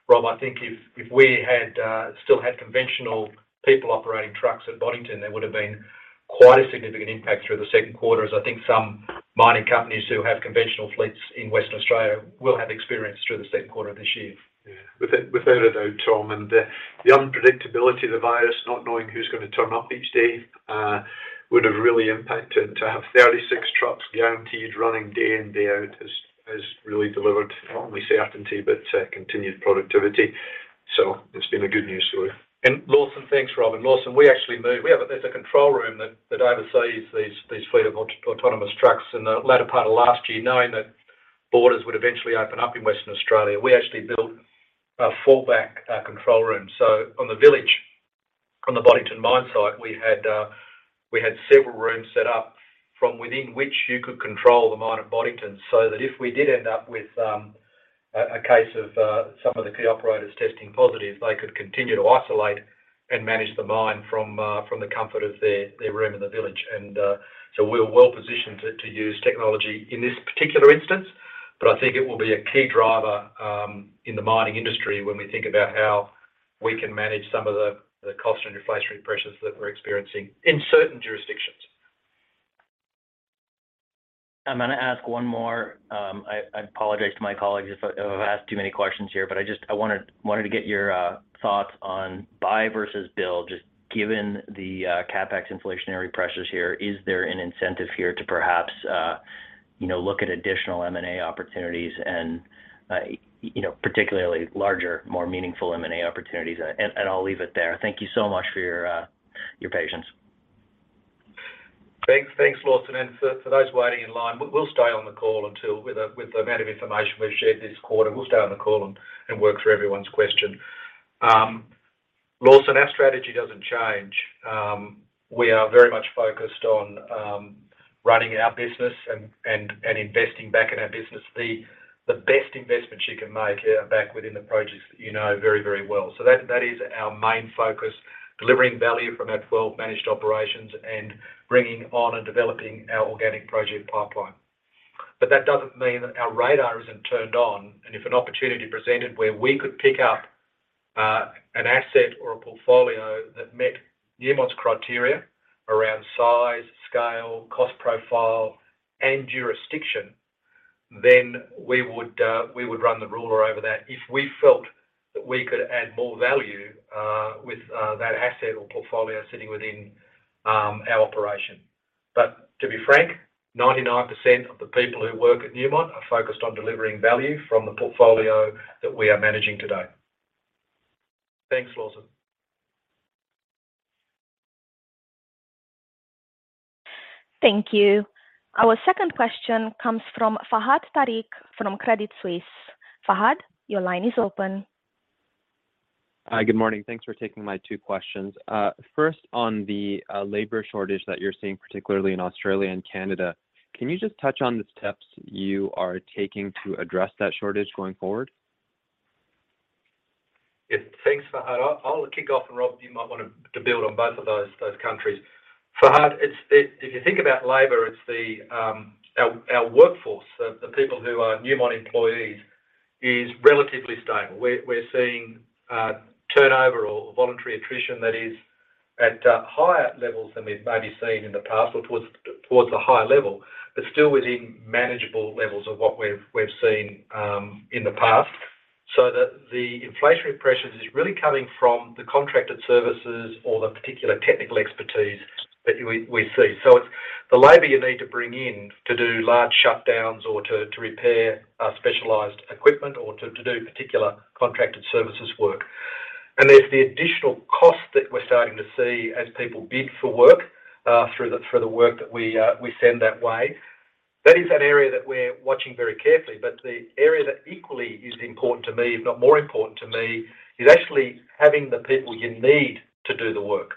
Rob, I think if we had still had conventional people operating trucks at Boddington, there would have been quite a significant impact through the second quarter, as I think some mining companies who have conventional fleets in Western Australia will have experienced through the second quarter of this year. Yeah. Without a doubt, Tom. The unpredictability of the virus, not knowing who's gonna turn up each day, would have really impacted. To have 36 trucks guaranteed running day in, day out has really delivered not only certainty, but continued productivity. It's been a good news story. Lawson, thanks, Rob. Lawson, we actually moved. We have a control room that oversees these fleet of autonomous trucks. In the latter part of last year, knowing that borders would eventually open up in Western Australia, we actually built a fallback control room. On the village, on the Boddington mine site, we had several rooms set up from within which you could control the mine at Boddington so that if we did end up with a case of some of the key operators testing positive, they could continue to isolate and manage the mine from the comfort of their room in the village. We're well-positioned to use technology in this particular instance. I think it will be a key driver in the mining industry when we think about how we can manage some of the cost and inflationary pressures that we're experiencing in certain jurisdictions. I'm gonna ask one more. I apologize to my colleagues if I've asked too many questions here, but I just wanted to get your thoughts on buy versus build, just given the CapEx inflationary pressures here. Is there an incentive here to perhaps you know look at additional M&A opportunities and you know particularly larger, more meaningful M&A opportunities? I'll leave it there. Thank you so much for your patience. Thanks. Thanks, Lawson. For those waiting in line, we'll stay on the call. With the amount of information we've shared this quarter, we'll stay on the call and work through everyone's question. Lawson, our strategy doesn't change. We are very much focused on running our business and investing back in our business. The best investments you can make are back within the projects that you know very, very well. That is our main focus, delivering value from our 12 managed operations and bringing on and developing our organic project pipeline. That doesn't mean that our radar isn't turned on, and if an opportunity presented where we could pick up an asset or a portfolio that met Newmont's criteria around size, scale, cost profile, and jurisdiction, then we would run the ruler over that if we felt that we could add more value with that asset or portfolio sitting within our operation. To be frank, 99% of the people who work at Newmont are focused on delivering value from the portfolio that we are managing today. Thanks, Lawson. Thank you. Our second question comes from Fahad Tariq from Credit Suisse. Fahad, your line is open. Hi. Good morning. Thanks for taking my two questions. First, on the labor shortage that you're seeing, particularly in Australia and Canada, can you just touch on the steps you are taking to address that shortage going forward? Yeah. Thanks, Fahad. I'll kick off, and Rob, you might want to build on both of those countries. Fahad, it's if you think about labor, it's our workforce, the people who are Newmont employees, is relatively stable. We're seeing turnover or voluntary attrition that is at higher levels than we've maybe seen in the past or towards the higher level, but still within manageable levels of what we've seen in the past. The inflationary pressures is really coming from the contracted services or the particular technical expertise that we see. It's the labor you need to bring in to do large shutdowns or to repair specialized equipment or to do particular contracted services work. There's the additional cost that we're starting to see as people bid for work through the work that we send that way. That is that area that we're watching very carefully. The area that equally is important to me, if not more important to me, is actually having the people you need to do the work.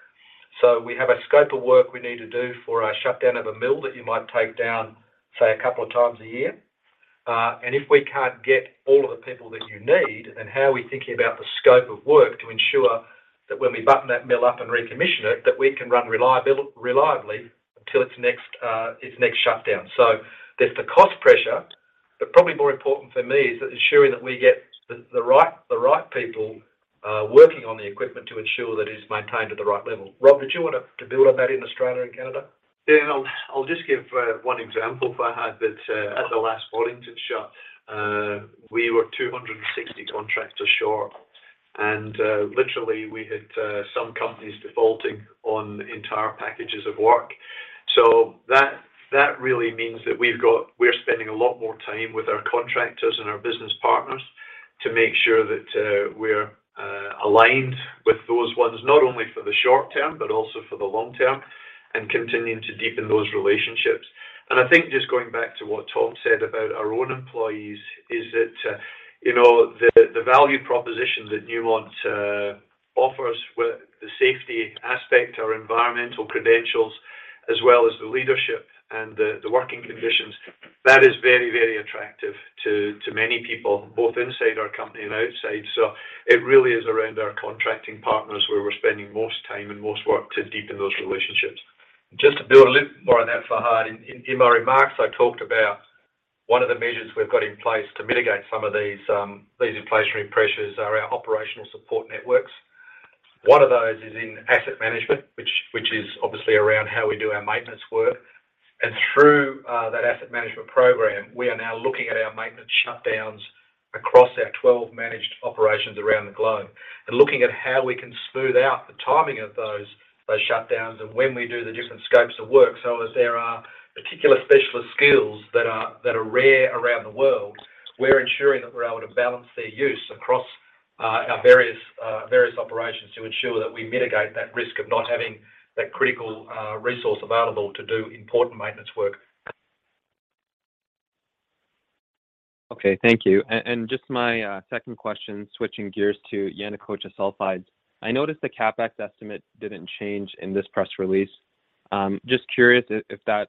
We have a scope of work we need to do for a shutdown of a mill that you might take down, say, a couple of times a year. If we can't get all of the people that you need, then how are we thinking about the scope of work to ensure that when we button that mill up and recommission it, that we can run reliably until its next shutdown. There's the cost pressure, but probably more important for me is ensuring that we get the right people working on the equipment to ensure that it is maintained at the right level. Rob, did you want to build on that in Australia and Canada? Yeah. I'll just give one example, Fahad, that at the last Boddington shut, we were 260 contractors short, and literally, we had some companies defaulting on entire packages of work. So that really means that we're spending a lot more time with our contractors and our business partners to make sure that we're aligned with those ones, not only for the short term, but also for the long term, and continuing to deepen those relationships. I think just going back to what Tom said about our own employees is that you know, the value proposition that Newmont offers with the safety aspect, our environmental credentials, as well as the leadership and the working conditions, that is very, very attractive to many people, both inside our company and outside. It really is around our contracting partners where we're spending most time and most work to deepen those relationships. Just to build a little more on that, Fahad. In my remarks, I talked about one of the measures we've got in place to mitigate some of these inflationary pressures are our operational support networks. One of those is in asset management, which is obviously around how we do our maintenance work. Through that asset management program, we are now looking at our maintenance shutdowns across our 12 managed operations around the globe. Looking at how we can smooth out the timing of those shutdowns and when we do the different scopes of work. As there are particular specialist skills that are rare around the world, we're ensuring that we're able to balance their use across our various operations to ensure that we mitigate that risk of not having that critical resource available to do important maintenance work. Okay. Thank you. Just my second question, switching gears to Yanacocha Sulfides. I noticed the CapEx estimate didn't change in this press release. Just curious if a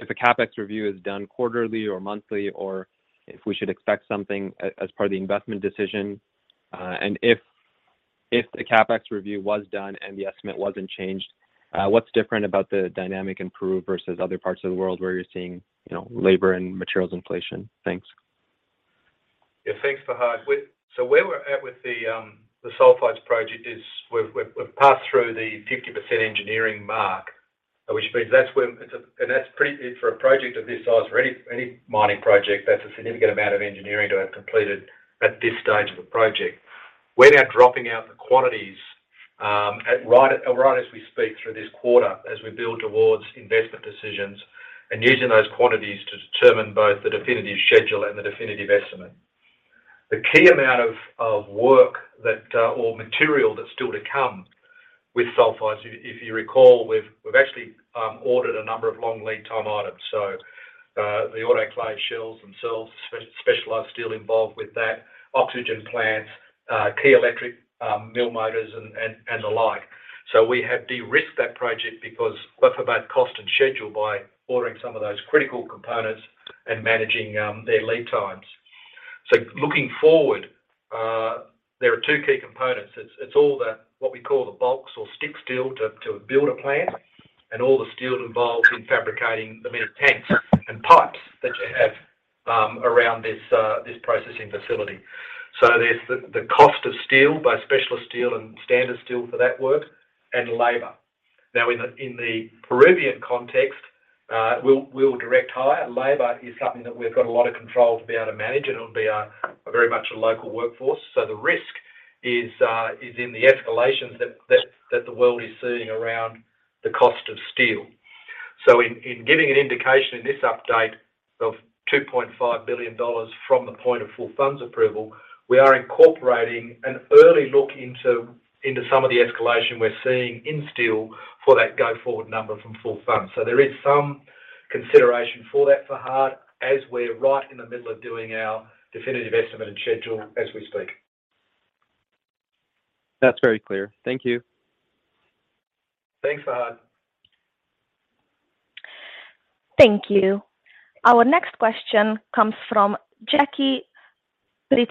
CapEx review is done quarterly or monthly, or if we should expect something as part of the investment decision. If the CapEx review was done and the estimate wasn't changed, what's different about the dynamic in Peru versus other parts of the world where you're seeing, you know, labor and materials inflation? Thanks. Thanks, Fahad. Where we're at with the Sulfides project is we've passed through the 50% engineering mark, which means that's when it's a. For a project of this size or any mining project, that's a significant amount of engineering to have completed at this stage of a project. We're now dropping out the quantities right as we speak through this quarter as we build towards investment decisions, and using those quantities to determine both the definitive schedule and the definitive estimate. The key amount of work or material that's still to come with Sulfides, if you recall, we've actually ordered a number of long lead time items. The autoclave shells themselves, specialized steel involved with that, oxygen plants, key electric, mill motors and the like. We have de-risked that project because of both cost and schedule by ordering some of those critical components and managing their lead times. Looking forward, there are two key components. It's all the, what we call the bulks or structural steel to build a plant and all the steel involved in fabricating the amount of tanks and pipes that you have around this processing facility. There's the cost of steel, both specialist steel and standard steel for that work, and labor. Now, in the Peruvian context, we'll direct hire. Labor is something that we've got a lot of control to be able to manage, and it'll be very much a local workforce. The risk is in the escalations that the world is seeing around the cost of steel. In giving an indication in this update of $2.5 billion from the point of full funds approval, we are incorporating an early look into some of the escalation we're seeing in steel for that go forward number from full funds. There is some consideration for that, Fahad, as we're right in the middle of doing our definitive estimate and schedule as we speak. That's very clear. Thank you. Thanks, Fahad. Thank you. Our next question comes from Jackie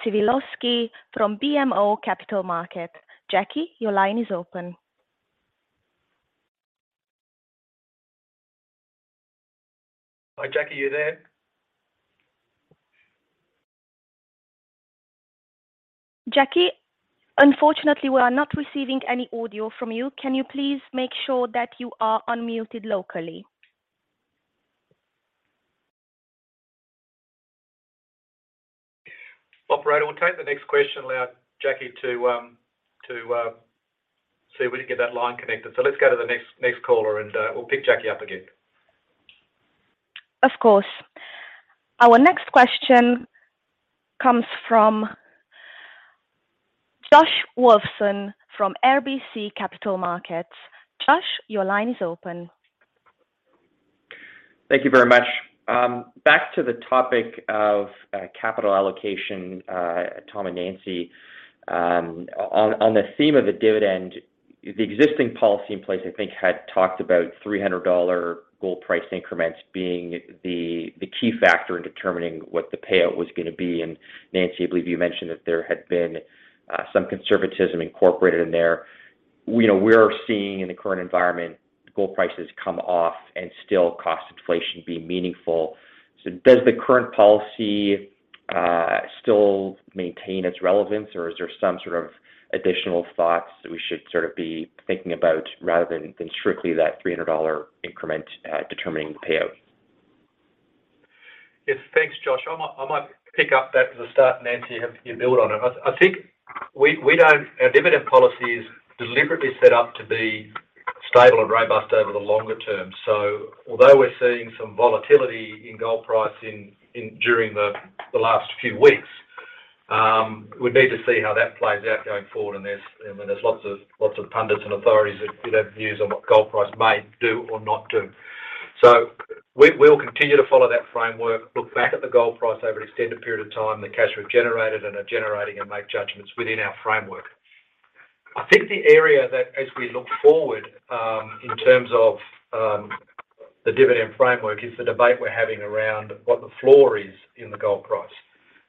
Przybylowski from BMO Capital Markets. Jackie, your line is open. Hi, Jackie. You there? Jackie, unfortunately, we are not receiving any audio from you. Can you please make sure that you are unmuted locally? Operator, we'll take the next question, allow Jackie to see if we can get that line connected. Let's go to the next caller, and we'll pick Jackie up again. Of course. Our next question comes from Josh Wolfson from RBC Capital Markets. Josh, your line is open. Thank you very much. Back to the topic of capital allocation, Tom and Nancy. On the theme of the dividend, the existing policy in place, I think, had talked about $300 gold price increments being the key factor in determining what the payout was gonna be. Nancy, I believe you mentioned that there had been some conservatism incorporated in there. You know, we're seeing in the current environment, gold prices come off and still cost inflation be meaningful. Does the current policy still maintain its relevance, or is there some sort of additional thoughts that we should sort of be thinking about rather than strictly that $300 increment determining the payout? Yes. Thanks, Josh. I might pick up that for the start, Nancy. Have you build on it. I think we don't. Our dividend policy is deliberately set up to be stable and robust over the longer term. Although we're seeing some volatility in gold price during the last few weeks, we'd need to see how that plays out going forward, and I mean, there's lots of pundits and authorities that have views on what gold price may do or not do. We'll continue to follow that framework, look back at the gold price over an extended period of time, the cash we've generated and are generating, and make judgments within our framework. I think the area that as we look forward in terms of the dividend framework is the debate we're having around what the floor is in the gold price,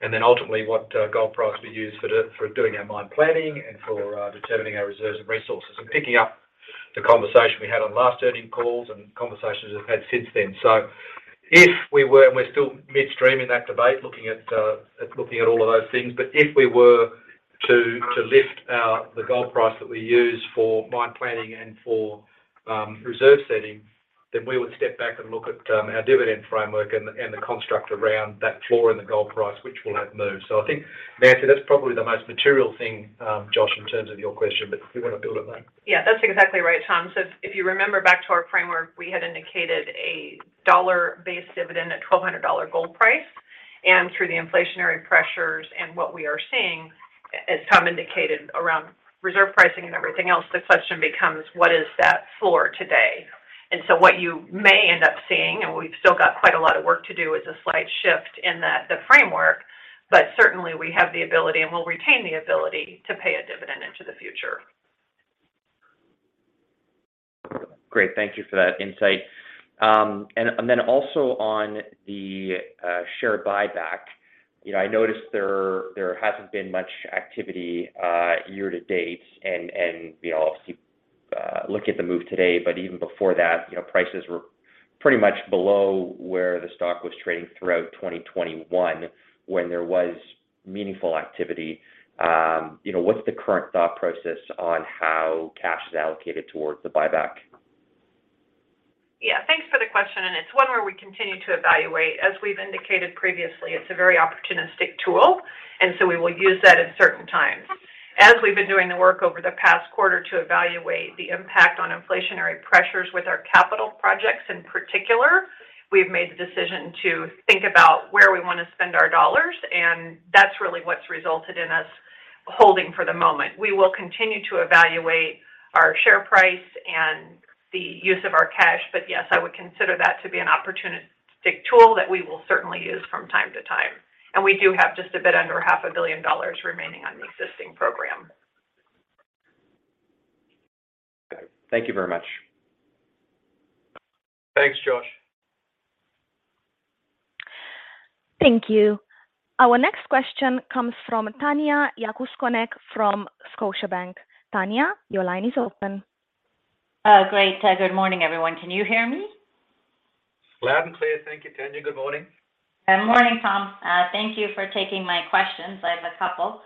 and then ultimately what gold price we use for doing our mine planning and for determining our reserves and resources and picking up the conversation we had on last earnings calls and conversations we've had since then. We're still midstream in that debate, looking at all of those things. If we were to lift the gold price that we use for mine planning and for reserve setting, then we would step back and look at our dividend framework and the construct around that floor in the gold price, which will have moved. I think, Nancy, that's probably the most material thing, Josh, in terms of your question, but if you wanna build on that. Yeah, that's exactly right, Tom. If you remember back to our framework, we had indicated a dollar-based dividend at $1,200 gold price. Through the inflationary pressures and what we are seeing, as Tom indicated around reserve pricing and everything else, the question becomes what is that floor today? What you may end up seeing, and we've still got quite a lot of work to do, is a slight shift in the framework, but certainly we have the ability and we'll retain the ability to pay a dividend into the future. Great. Thank you for that insight. And then also on the share buyback, you know, I noticed there hasn't been much activity year to date and, you know, obviously look at the move today, but even before that, you know, prices were pretty much below where the stock was trading throughout 2021 when there was meaningful activity. You know, what's the current thought process on how cash is allocated towards the buyback? Yeah, thanks for the question, and it's one where we continue to evaluate. As we've indicated previously, it's a very opportunistic tool, and so we will use that at certain times. As we've been doing the work over the past quarter to evaluate the impact on inflationary pressures with our capital projects in particular, we've made the decision to think about where we wanna spend our dollars, and that's really what's resulted in us holding for the moment. We will continue to evaluate our share price and the use of our cash. But yes, I would consider that to be an opportunistic tool that we will certainly use from time to time. We do have just a bit under $500 million remaining on the existing program. Okay. Thank you very much. Thanks, Josh. Thank you. Our next question comes from Tanya Jakusconek from Scotiabank. Tanya, your line is open. Great. Good morning, everyone. Can you hear me? Loud and clear. Thank you, Tanya. Good morning. Good morning, Tom. Thank you for taking my questions. I have a couple.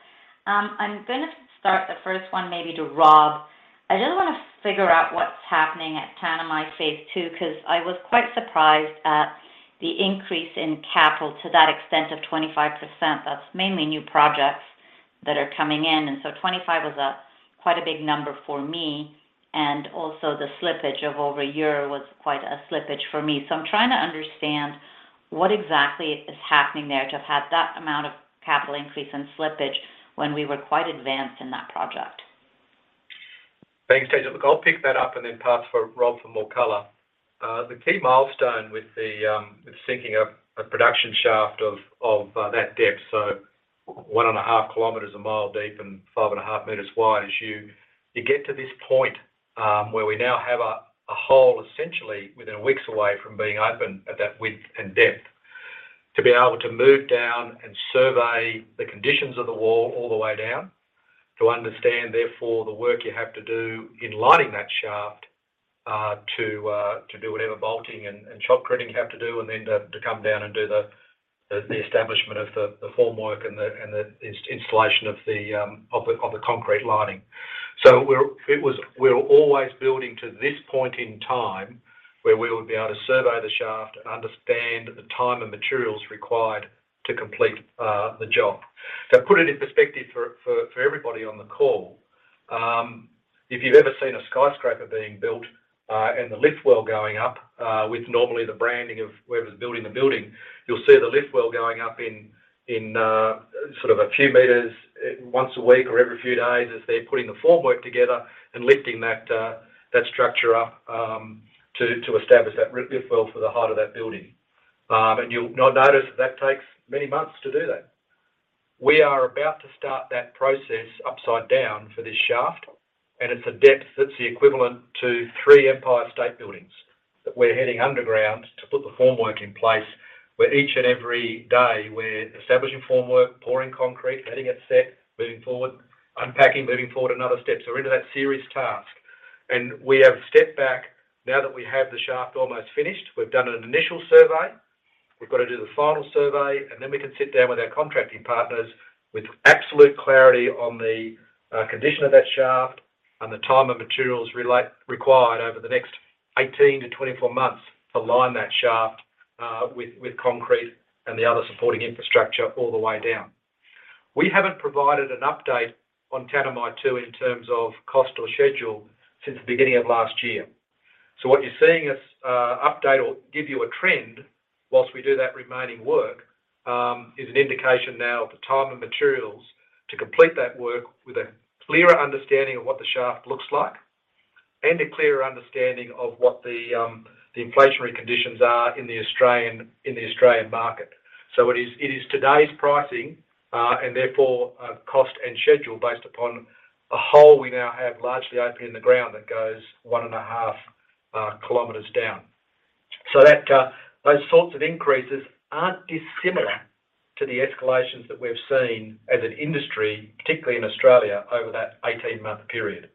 I'm gonna start the first one maybe to Rob. I just wanna figure out what's happening at Tanami Phase Two, 'cause I was quite surprised at the increase in capital to that extent of 25%. That's mainly new projects that are coming in, and so 25% was a, quite a big number for me. And also the slippage of over a year was quite a slippage for me. I'm trying to understand what exactly is happening there to have had that amount of capital increase and slippage when we were quite advanced in that project. Thanks, Tanya. Look, I'll pick that up and then pass for Rob for more color. The key milestone with the sinking of a production shaft of that depth, so 1.5 km, 1 mile deep and 5.5 meters wide, is you get to this point, where we now have a hole essentially within weeks away from being open at that width and depth. To be able to move down and survey the conditions of the wall all the way down to understand therefore the work you have to do in lining that shaft, to do whatever bolting and shotcreting you have to do, and then to come down and do the establishment of the form work and the installation of the concrete lining. We're always building to this point in time where we will be able to survey the shaft and understand the time and materials required to complete the job. Put it in perspective for everybody on the call. If you've ever seen a skyscraper being built, and the lift well going up, with normally the branding of whoever's building the building, you'll see the lift well going up in sort of a few meters once a week or every few days as they're putting the formwork together and lifting that structure up to establish that lift well for the height of that building. You'll now notice that takes many months to do that. We are about to start that process upside down for this shaft, and it's a depth that's the equivalent to three Empire State Buildings that we're heading underground to put the formwork in place where each and every day we're establishing formwork, pouring concrete, letting it set, moving forward, unpacking, moving forward, another step. We're into that serious task. We have stepped back now that we have the shaft almost finished. We've done an initial survey. We've got to do the final survey, and then we can sit down with our contracting partners with absolute clarity on the condition of that shaft and the time and materials required over the next 18-24 months to line that shaft with concrete and the other supporting infrastructure all the way down. We haven't provided an update on Tanami Two in terms of cost or schedule since the beginning of last year. What you're seeing us update or give you a trend while we do that remaining work is an indication now of the time and materials to complete that work with a clearer understanding of what the shaft looks like and a clearer understanding of what the inflationary conditions are in the Australian market. It is today's pricing and therefore cost and schedule based upon a hole we now have largely open in the ground that goes 1.5 km down. That those sorts of increases aren't dissimilar to the escalations that we've seen as an industry, particularly in Australia, over that 18-month period.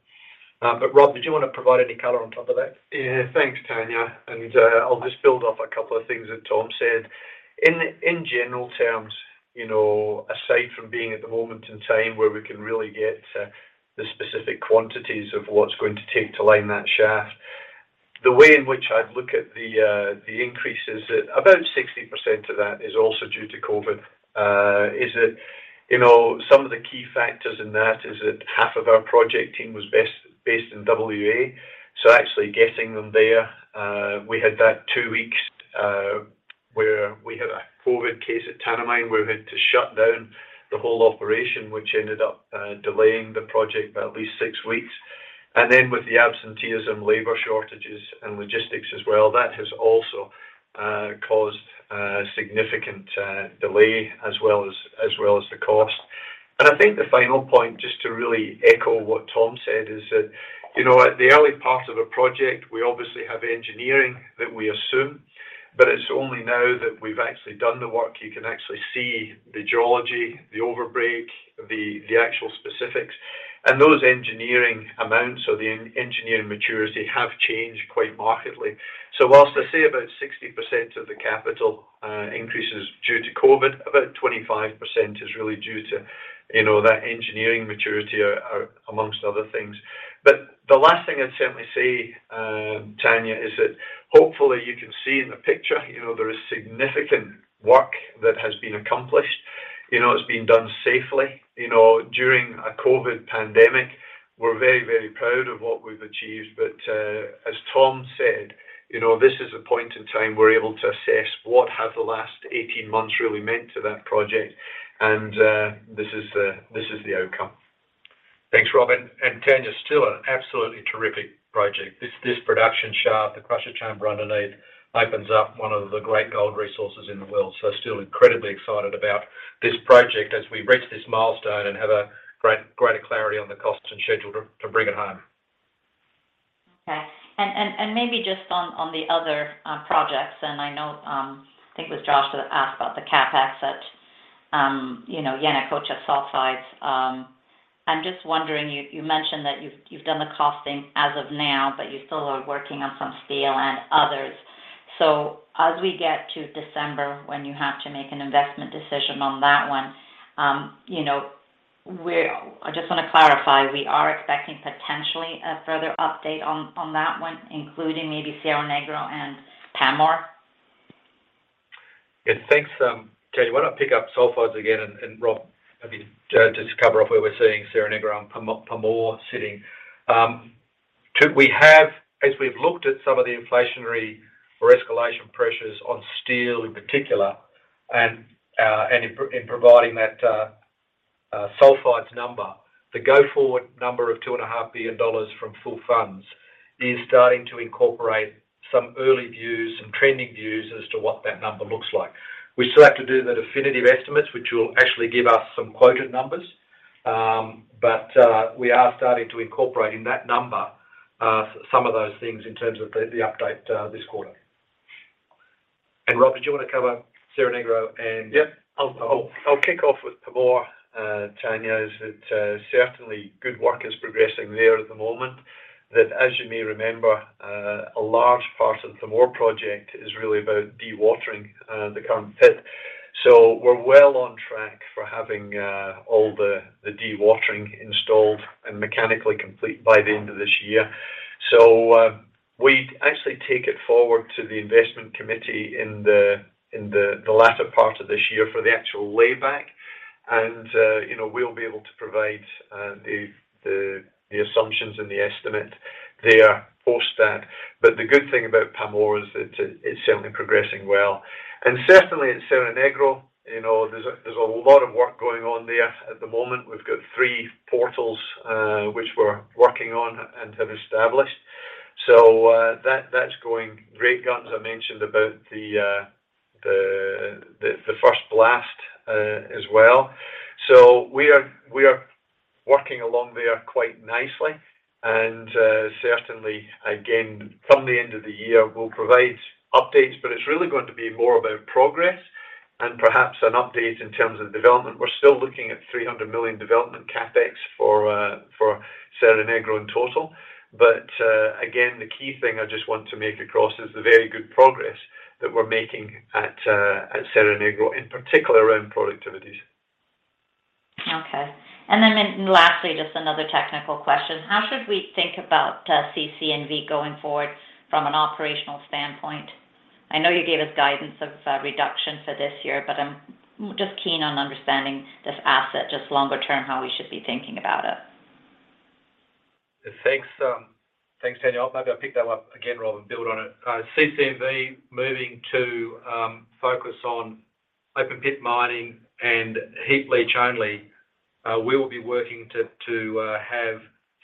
Rob, did you wanna provide any color on top of that? Yeah. Thanks, Tanya. I'll just build off a couple of things that Tom said. In general terms, you know, aside from being at the moment in time where we can really get the specific quantities of what it's going to take to line that shaft, the way in which I'd look at the increases, about 60% of that is also due to COVID. You know, some of the key factors in that is that half of our project team was based in WA, so actually getting them there, we had that two weeks where we had a COVID case at Tanami, we had to shut down the whole operation, which ended up delaying the project by at least six weeks. With the absenteeism, labor shortages, and logistics as well, that has also caused significant delay as well as the cost. I think the final point, just to really echo what Tom said, is that, you know, at the early part of a project, we obviously have engineering that we assume, but it's only now that we've actually done the work, you can actually see the geology, the overbreak, the actual specifics. Those engineering amounts or the engineering maturity have changed quite markedly. While I say about 60% of the capital increase is due to COVID, about 25% is really due to, you know, that engineering maturity among other things. The last thing I'd certainly say, Tanya, is that hopefully you can see in the picture, you know, there is significant work that has been accomplished. You know, it's been done safely. You know, during a COVID pandemic, we're very, very proud of what we've achieved. As Tom said, you know, this is a point in time we're able to assess what have the last 18 months really meant to that project. This is the outcome. Thanks, Robert. Tanya, still an absolutely terrific project. This production shaft, the crusher chamber underneath, opens up one of the great gold resources in the world. Still incredibly excited about this project as we reach this milestone and have greater clarity on the costs and schedule to bring it home. Okay. Maybe just on the other projects, and I know I think it was Josh that asked about the CapEx at, you know, Yanacocha Sulfides. I'm just wondering, you mentioned that you've done the costing as of now, but you still are working on some steel and others. As we get to December, when you have to make an investment decision on that one, you know, I just wanna clarify, we are expecting potentially a further update on that one, including maybe Cerro Negro and Pamour? Yeah. Thanks, Tanya. Why don't I pick up sulfides again, and Rob, maybe just cover off where we're seeing Cerro Negro and Pamour sitting. We have, as we've looked at some of the inflationary or escalation pressures on steel in particular and in providing that, sulfides number, the go-forward number of $2.5 billion from full funding is starting to incorporate some early views and trending views as to what that number looks like. We still have to do the definitive estimates, which will actually give us some quoted numbers. But we are starting to incorporate in that number some of those things in terms of the update this quarter. Rob, did you want to cover Cerro Negro and. Yeah. I'll kick off with Pamour, Tanya. That's certainly good work is progressing there at the moment. That, as you may remember, a large part of the Pamour project is really about dewatering the current pit. We're well on track for having all the dewatering installed and mechanically complete by the end of this year. We actually take it forward to the investment committee in the latter part of this year for the actual layback. You know, we'll be able to provide the assumptions and the estimate there post that. The good thing about Pamour is that it's certainly progressing well. Certainly at Cerro Negro, you know, there's a lot of work going on there at the moment. We've got three portals, which we're working on and have established. That's going great guns. I mentioned about the first blast as well. We are working along there quite nicely. Certainly again, come the end of the year, we'll provide updates, but it's really going to be more about progress and perhaps an update in terms of development. We're still looking at $300 million development CapEx for Cerro Negro in total. Again, the key thing I just want to get across is the very good progress that we're making at Cerro Negro, in particular around productivities. Okay. Lastly, just another technical question. How should we think about CC&V going forward from an operational standpoint? I know you gave us guidance of reduction for this year, but I'm just keen on understanding this asset, just longer term, how we should be thinking about it. Thanks, Tanya. Maybe I'll pick that one up again, Rob, and build on it. CC&V moving to focus on open pit mining and heap leach only. We will be working to have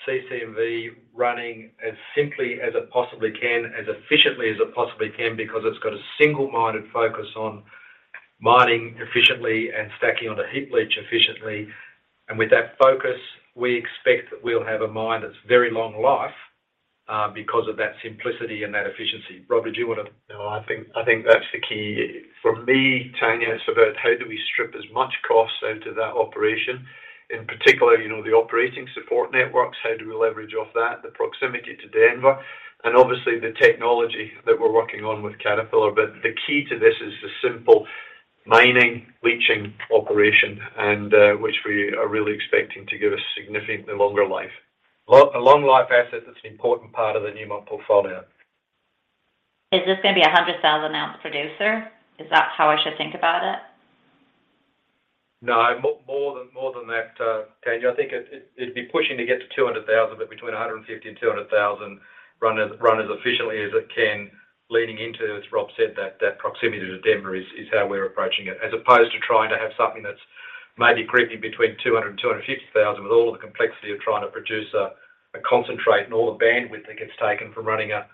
CC&V running as simply as it possibly can, as efficiently as it possibly can because it's got a single-minded focus on mining efficiently and stacking on the heap leach efficiently. With that focus, we expect that we'll have a mine that's very long life because of that simplicity and that efficiency. Rob, did you wanna. No, I think that's the key. For me, Tanya, it's about how do we strip as much cost out of that operation. In particular, you know, the operating support networks, how do we leverage off that, the proximity to Denver, and obviously the technology that we're working on with Caterpillar. The key to this is the simple mining, leaching operation and which we are really expecting to give us significantly longer life. A long life asset that's an important part of the Newmont portfolio. Is this gonna be a 100,000 oz producer? Is that how I should think about it? No, more than that, Tanya. I think it'd be pushing to get to 200,000 oz but between 150,000-200,000 oz run as efficiently as it can, leaning into, as Rob said, that proximity to Denver is how we're approaching it. As opposed to trying to have something that's maybe creeping between 200,0000 and 250,000 oz with all of the complexity of trying to produce a concentrate and all the bandwidth that gets taken from running a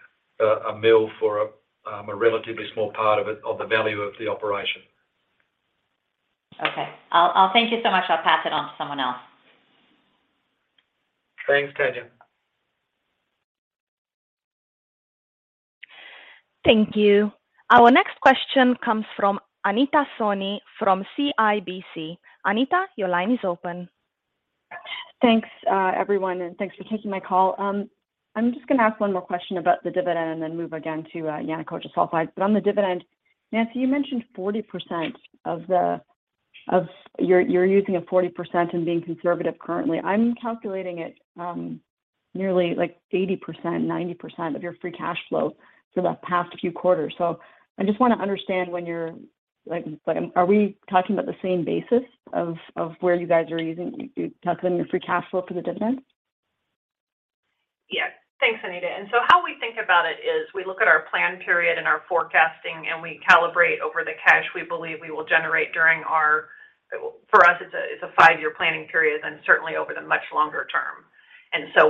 mill for a relatively small part of it, of the value of the operation. Okay. I'll thank you so much. I'll pass it on to someone else. Thanks, Tanya. Thank you. Our next question comes from Anita Soni from CIBC. Anita, your line is open. Thanks, everyone, and thanks for taking my call. I'm just gonna ask one more question about the dividend and then move again to Yanacocha Sulfides. On the dividend, Nancy, you mentioned 40% of the. You're using a 40% and being conservative currently. I'm calculating it nearly like 80%-90% of your free cash flow for the past few quarters. I just wanna understand when you're, like, are we talking about the same basis of where you guys are using, you're calculating your free cash flow for the dividend? Yeah. Thanks, Anita. How we think about it is we look at our plan period and our forecasting, and we calibrate over the cash we believe we will generate during our, for us, it's a, it's a five-year planning period and certainly over the much longer term.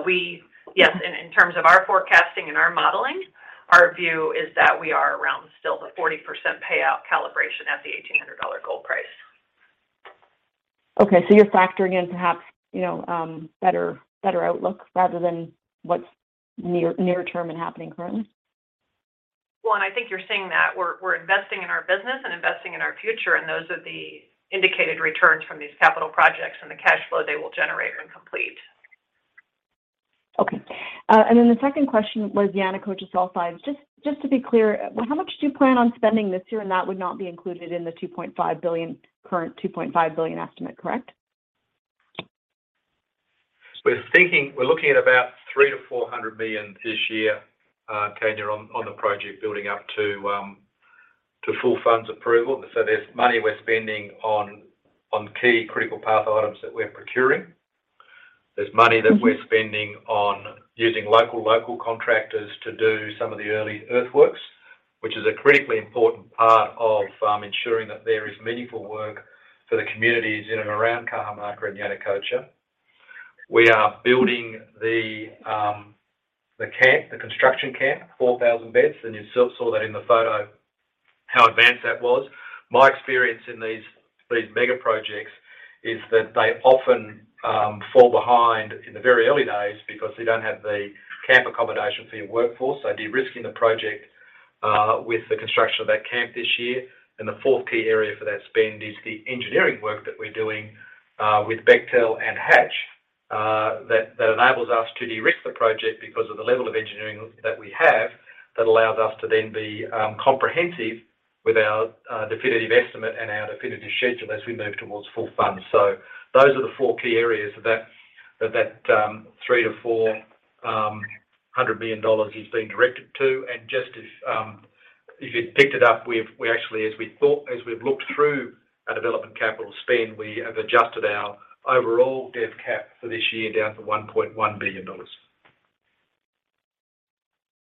We, yes, in terms of our forecasting and our modeling, our view is that we are around still the 40% payout calibration at the $1,800 gold price. Okay. You're factoring in perhaps, you know, better outlook rather than what's near term and happening currently? Well, I think you're seeing that. We're investing in our business and investing in our future, and those are the indicated returns from these capital projects and the cash flow they will generate when complete. Okay. The second question was Yanacocha Sulfides. Just to be clear, how much do you plan on spending this year, and that would not be included in the $2.5 billion, current $2.5 billion estimate, correct? We're thinking, we're looking at about $300 million-$400 million this year, Tanya, on the project building up to full funds approval. There's money we're spending on key critical path items that we're procuring. There's money that we're spending on using local contractors to do some of the early earthworks, which is a critically important part of ensuring that there is meaningful work for the communities in and around Cajamarca and Yanacocha. We are building the camp, the construction camp, 4,000 beds, and you saw that in the photo, how advanced that was. My experience in these mega projects is that they often fall behind in the very early days because they don't have the camp accommodation for your workforce. De-risking the project with the construction of that camp this year. The fourth key area for that spend is the engineering work that we're doing with Bechtel and Hatch that enables us to de-risk the project because of the level of engineering that we have that allows us to then be comprehensive with our definitive estimate and our definitive schedule as we move towards full funds. Those are the four key areas that $300 million-$400 million is being directed to. Just as if you'd picked it up, we actually, as we thought, as we've looked through our Development Capital spend, we have adjusted our overall dev cap for this year down to $1.1 billion.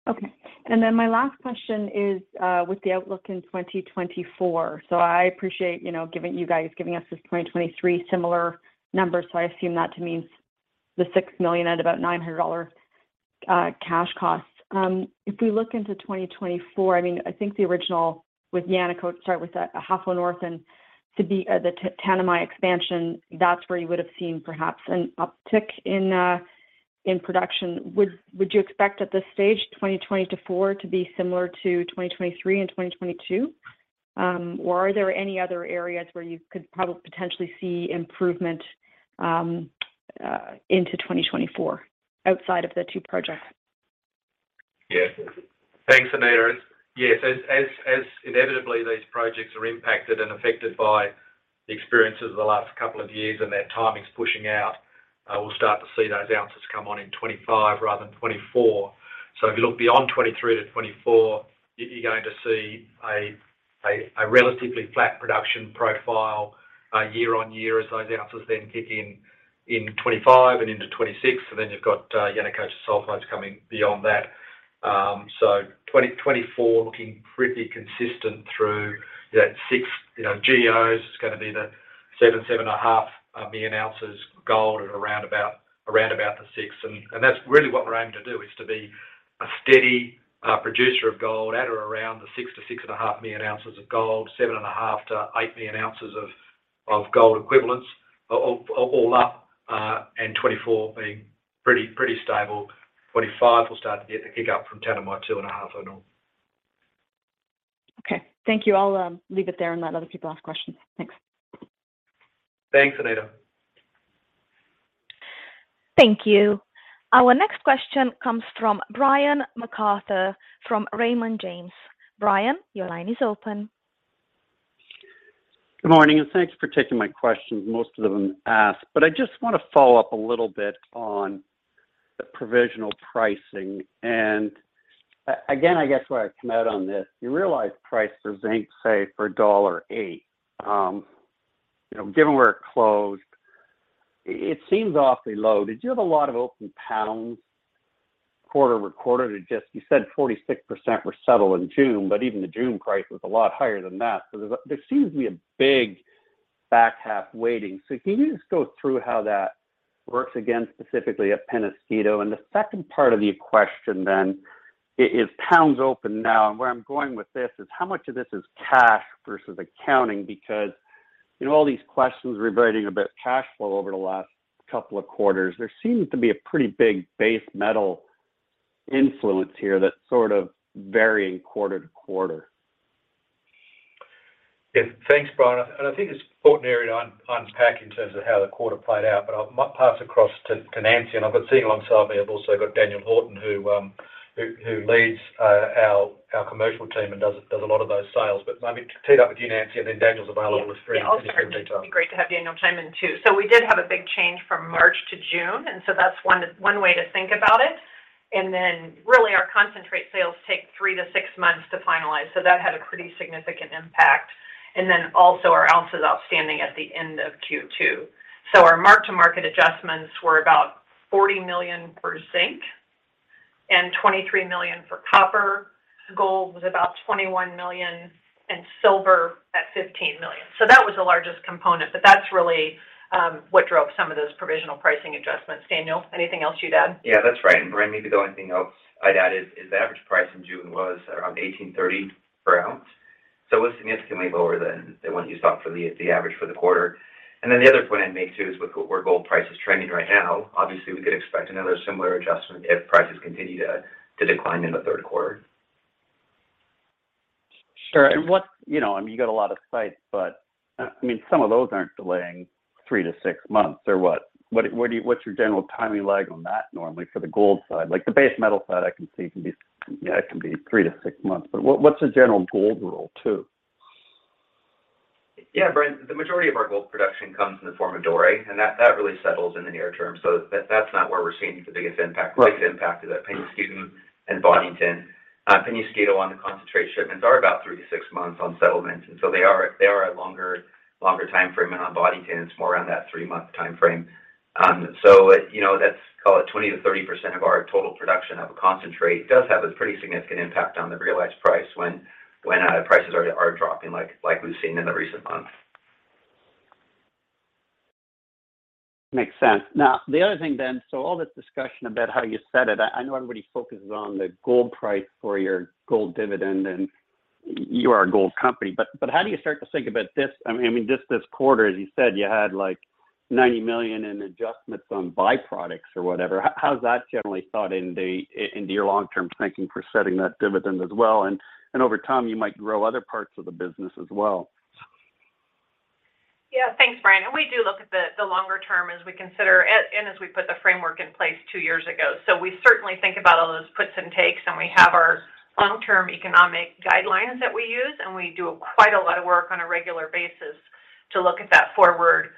Okay. My last question is with the outlook in 2024. I appreciate, you know, you guys giving us this 2023 similar numbers, so I assume that to mean the 6 million at about $900 cash costs. If we look into 2024, I mean, I think the original with Yanacocha, start with that, Ahafo North and to be, the Tanami expansion, that's where you would have seen perhaps an uptick in production. Would you expect at this stage, 2024 to be similar to 2023 and 2022? Or are there any other areas where you could potentially see improvement into 2024 outside of the two projects? Yeah. Thanks, Anita. Yes. As inevitably these projects are impacted and affected by the experiences of the last couple of years and that timing's pushing out. We'll start to see those ounces come on in 2025 rather than 2024. If you look beyond 2023 to 2024, you're going to see a relatively flat production profile year-over-year as those ounces then kick in in 2025 and into 2026. Then you've got Yanacocha Sulfides coming beyond that. 2024 looking pretty consistent through that six GEOs. It's gonna be 7 million-7.5 million ounces gold at around about the six. That's really what we're aiming to do, is to be a steady producer of gold at or around the 6 million-6.5 million ounces of gold, 7.5 million-8 million ounces of gold equivalents all up, and 2024 being pretty stable. 2025, we'll start to get a kick up from Tanami Expansion two and Ahafo North. Okay. Thank you. I'll leave it there and let other people ask questions. Thanks. Thanks, Anita. Thank you. Our next question comes from Brian MacArthur from Raymond James. Brian, your line is open. Good morning, and thanks for taking my questions. Most of them asked, but I just wanna follow up a little bit on the provisional pricing. I guess where I'd come out on this, the realized price for zinc, say, for per dollar eight. You know, given where it closed, it seems awfully low. Did you have a lot of open pounds quarter recorded, or just. You said 46% were settled in June, but even the June price was a lot higher than that. There seems to be a big back half weighting. Can you just go through how that works again, specifically at Peñasquito? The second part of the question then is Peñasquito open now, and where I'm going with this is how much of this is cash versus accounting because, you know, all these questions regarding about cash flow over the last couple of quarters, there seems to be a pretty big base metal influence here that's sort of varying quarter to quarter. Yeah. Thanks, Brian. I think it's important area to unpack in terms of how the quarter played out, but I'll pass across to Nancy. I've got sitting alongside me, I've also got Daniel Horton, who leads our commercial team and does a lot of those sales. Let me tee it up with you, Nancy, and then Daniel's available if there are any specific details. Yeah. I'll start. It'd be great to have Daniel chime in, too. We did have a big change from March to June, and so that's one way to think about it. Really our concentrate sales take three to six months to finalize, so that had a pretty significant impact. Also our ounces outstanding at the end of Q2. Our mark-to-market adjustments were about $40 million for zinc and $23 million for copper. Gold was about $21 million, and silver at $15 million. That was the largest component, but that's really what drove some of those provisional pricing adjustments. Daniel, anything else you'd add? Yeah, that's right. Brian, maybe the only thing else I'd add is the average price in June was around $1,830 per oz It was significantly lower than what you saw for the average for the quarter. Then the other point I'd make, too, is with where gold price is trending right now, obviously we could expect another similar adjustment if prices continue to decline in the third quarter. Sure. What? You know, I mean, you got a lot of sites, but I mean, some of those aren't delaying three to six months or what do you, what's your general timing lag on that normally for the gold side? Like, the base metal side I can see can be, you know, it can be three to six months, but what's the general gold rule, too? Yeah, Brian, the majority of our gold production comes in the form of Doré, and that really settles in the near term. That's not where we're seeing the biggest impact. Right. The biggest impact is at Peñasquito and Boddington. Peñasquito on the concentrate shipments are about three to six months on settlement, and so they are a longer timeframe. On Boddington, it's more around that three month timeframe. You know, that's, call it 20%-30% of our total production of a concentrate. It does have a pretty significant impact on the realized price when prices are dropping like we've seen in the recent months. Makes sense. Now the other thing then, all this discussion about how you set it. I know everybody focuses on the gold price for your gold dividend, and you are a gold company, but how do you start to think about this? I mean, just this quarter, as you said, you had, like, $90 million in adjustments on byproducts or whatever. How's that generally thought into your long term thinking for setting that dividend as well? Over time, you might grow other parts of the business as well. Yeah. Thanks, Brian. We do look at the longer term as we consider and as we put the framework in place two years ago. We certainly think about all those puts and takes, and we have our long-term economic guidelines that we use, and we do quite a lot of work on a regular basis to look at that forward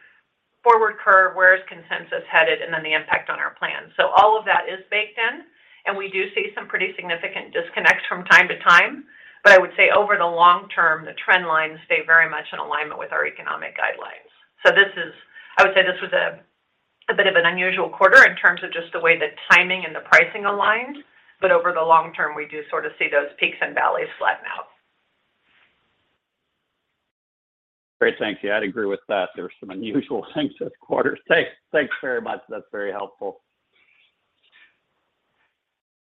curve, where consensus is headed, and then the impact on our plan. All of that is baked in, and we do see some pretty significant disconnects from time to time. I would say over the long term, the trend lines stay very much in alignment with our economic guidelines. This is, I would say, a bit of an unusual quarter in terms of just the way the timing and the pricing aligned. Over the long term, we do sort of see those peaks and valleys flatten out. Great. Thanks. Yeah, I'd agree with that. There were some unusual things this quarter. Thanks. Thanks very much. That's very helpful.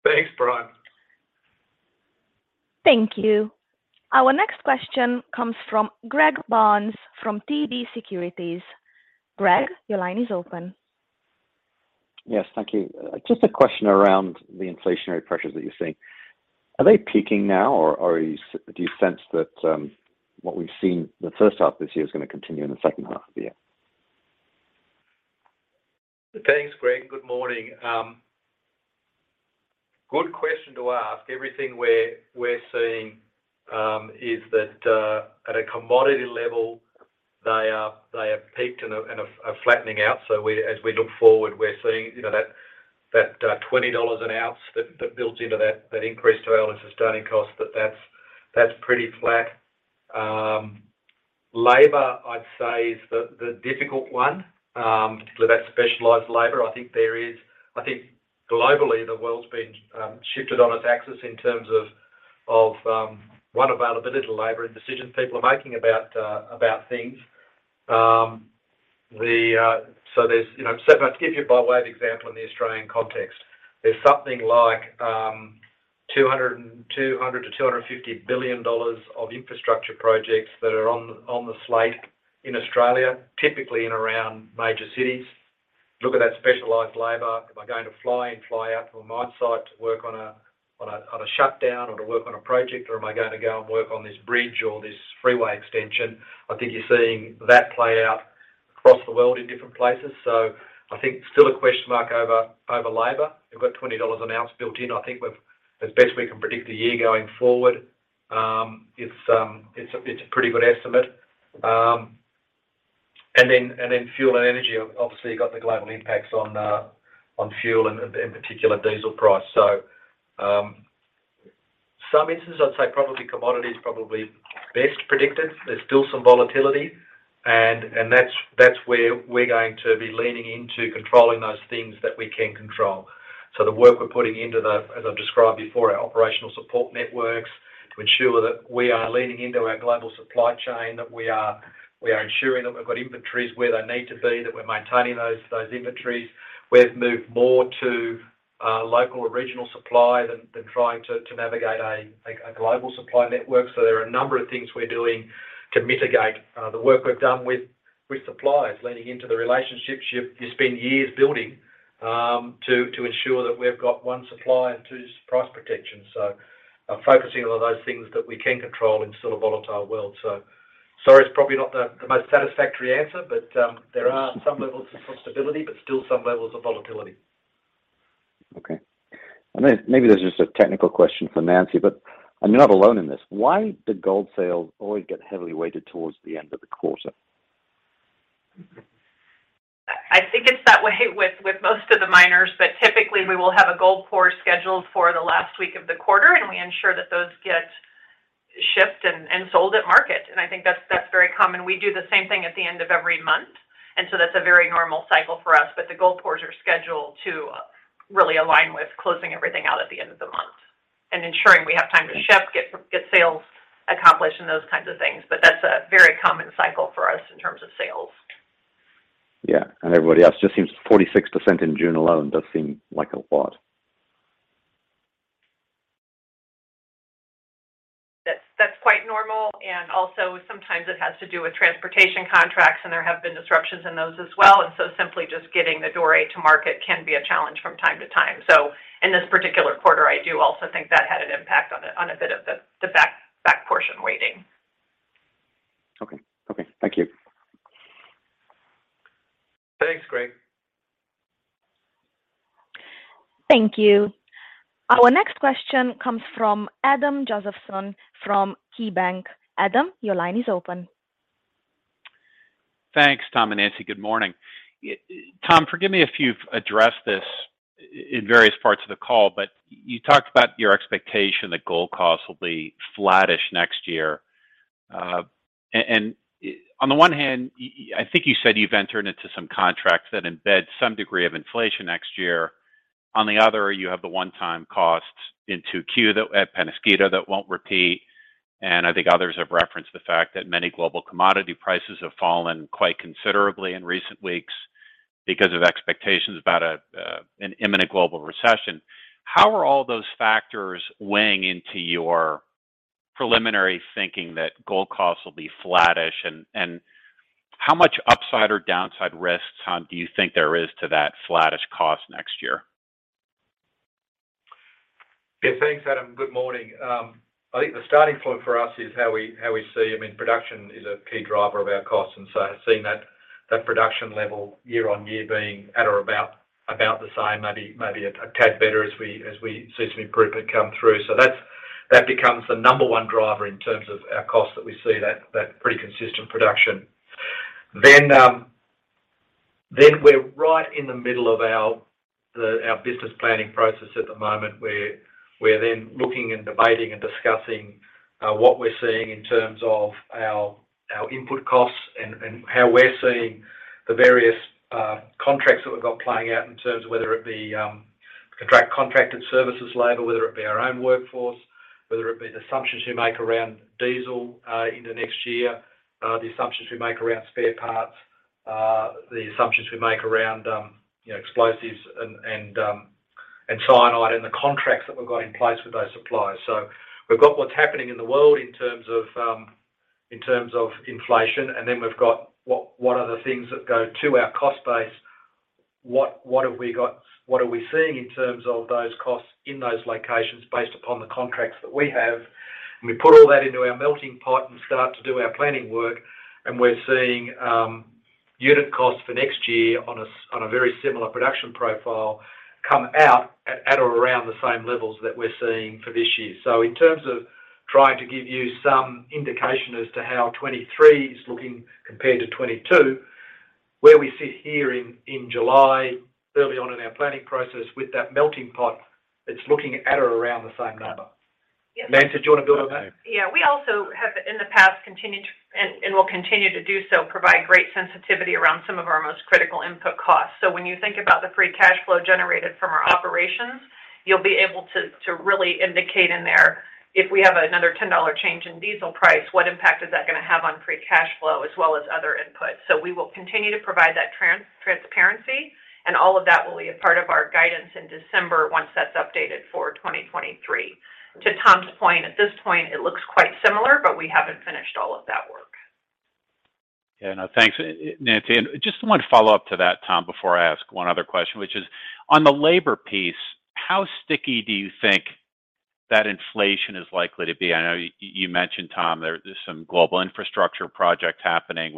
Thanks, Brian. Thank you. Our next question comes from Greg Barnes from TD Securities. Greg, your line is open. Yes. Thank you. Just a question around the inflationary pressures that you're seeing. Are they peaking now, or do you sense that what we've seen the first half of this year is gonna continue in the second half of the year? Thanks, Greg. Good morning. Good question to ask. Everything we're seeing is that at a commodity level, they have peaked and are flattening out. As we look forward, we're seeing you know that $20 an oz that builds into that increased royalty and sustaining cost, but that's pretty flat. Labor, I'd say is the difficult one, particularly that specialized labor. I think there is... I think globally, the world's been shifted on its axis in terms of availability to labor and decisions people are making about things. There's, you know, if I give you by way of example in the Australian context, there's something like $200 billion-$250 billion of infrastructure projects that are on the slate in Australia, typically around major cities. Look at that specialized labor. Am I going to fly in, fly out to a mine site to work on a shutdown or to work on a project, or am I gonna go and work on this bridge or this freeway extension? I think you're seeing that play out across the world in different places. I think there's still a question mark over labor. We've got $20 an oz built in. I think we've as best we can predict a year going forward, it's a pretty good estimate. Fuel and energy, obviously, you've got the global impacts on fuel and in particular diesel price. In some instances, I'd say probably commodities best predicted. There's still some volatility and that's where we're going to be leaning into controlling those things that we can control. The work we're putting into, as I've described before, our operational support networks to ensure that we are leaning into our global supply chain, that we are ensuring that we've got inventories where they need to be, that we're maintaining those inventories. We've moved more to local or regional supply than trying to navigate a global supply network. There are a number of things we're doing to mitigate the work we've done with suppliers, leaning into the relationships you've spent years building to ensure that we've got one, supply and two, price protection. I'm focusing on those things that we can control in sort of a volatile world. Sorry, it's probably not the most satisfactory answer, but there are some levels of stability, but still some levels of volatility. Okay. Maybe this is just a technical question for Nancy, but you're not alone in this. Why do gold sales always get heavily weighted toward the end of the quarter? I think it's that way with most of the miners, but typically we will have a gold pour scheduled for the last week of the quarter, and we ensure that those get shipped and sold at market. I think that's very common. We do the same thing at the end of every month, and so that's a very normal cycle for us. The gold pours are scheduled to really align with closing everything out at the end of the month and ensuring we have time to ship, get sales accomplished and those kinds of things. That's a very common cycle for us in terms of sales. Yeah. Everybody else, just seems 46% in June alone does seem like a lot. That's quite normal. Also sometimes it has to do with transportation contracts, and there have been disruptions in those as well. Simply just getting the Doré to market can be a challenge from time to time. In this particular quarter, I do also think that had an impact on a bit of the back portion weighting. Okay. Thank you. Thanks, Greg. Thank you. Our next question comes from Adam Josephson from KeyBank. Adam, your line is open. Thanks, Tom and Nancy. Good morning. Tom, forgive me if you've addressed this in various parts of the call, but you talked about your expectation that gold costs will be flattish next year. On the one hand, I think you said you've entered into some contracts that embed some degree of inflation next year. On the other, you have the one-time costs in 2Q that at Peñasquito that won't repeat. I think others have referenced the fact that many global commodity prices have fallen quite considerably in recent weeks because of expectations about an imminent global recession. How are all those factors weighing into your preliminary thinking that gold costs will be flattish? How much upside or downside risks, Tom, do you think there is to that flattish cost next year? Yeah. Thanks, Adam. Good morning. I think the starting point for us is how we see, I mean, production is a key driver of our costs, and seeing that production level year-on-year being at or about the same, maybe a tad better as we see some improvement come through. That becomes the number one driver in terms of our costs that we see that pretty consistent production. We're right in the middle of our business planning process at the moment, where we're then looking and debating and discussing what we're seeing in terms of our input costs and how we're seeing the various contracts that we've got playing out in terms of whether it be contracted services labor, whether it be our own workforce, whether it be the assumptions we make around diesel into next year, the assumptions we make around spare parts, the assumptions we make around you know explosives and cyanide and the contracts that we've got in place with those suppliers. We've got what's happening in the world in terms of inflation, and then we've got what are the things that go to our cost base? What have we got? What are we seeing in terms of those costs in those locations based upon the contracts that we have? We put all that into our melting pot and start to do our planning work, and we're seeing unit costs for next year on a very similar production profile come out at or around the same levels that we're seeing for this year. In terms of trying to give you some indication as to how 2023 is looking compared to 2022, where we sit here in July, early on in our planning process with that melting pot, it's looking at or around the same number. Yes. Nancy, do you wanna build on that? Yeah. We also have in the past continued to and will continue to do so, provide great sensitivity around some of our most critical input costs. When you think about the free cash flow generated from our operations, you'll be able to really indicate in there if we have another $10 change in diesel price, what impact is that gonna have on free cash flow as well as other inputs. We will continue to provide that transparency, and all of that will be a part of our guidance in December once that's updated for 2023. To Tom's point, at this point, it looks quite similar, but we haven't finished all of that work. No, thanks, Nancy. Just one follow-up to that, Tom, before I ask one other question, which is, on the labor piece, how sticky do you think that inflation is likely to be? I know you mentioned, Tom, there's some global infrastructure project happening,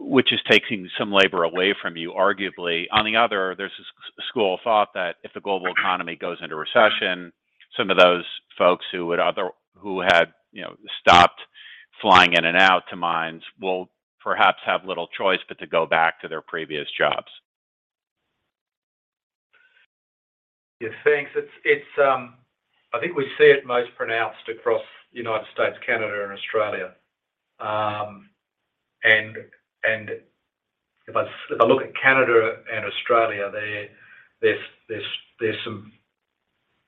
which is taking some labor away from you, arguably. On the other, there's this school of thought that if the global economy goes into recession, some of those folks who had, you know, stopped flying in and out to mines will perhaps have little choice but to go back to their previous jobs. Yeah, thanks. It's. I think we see it most pronounced across United States, Canada, and Australia. If I look at Canada and Australia, there's some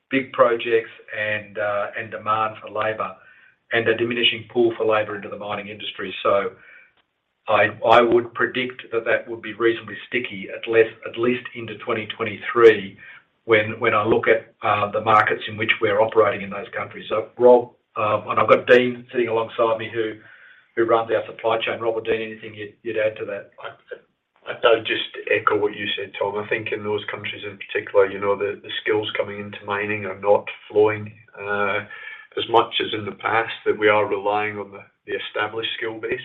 big projects and demand for labor, and a diminishing pool for labor into the mining industry. I would predict that would be reasonably sticky at least into 2023 when I look at the markets in which we're operating in those countries. Rob, and I've got Dean sitting alongside me who runs our supply chain. Rob or Dean, anything you'd add to that? I'd just echo what you said, Tom. I think in those countries in particular, you know, the skills coming into mining are not flowing as much as in the past, that we are relying on the established skill base.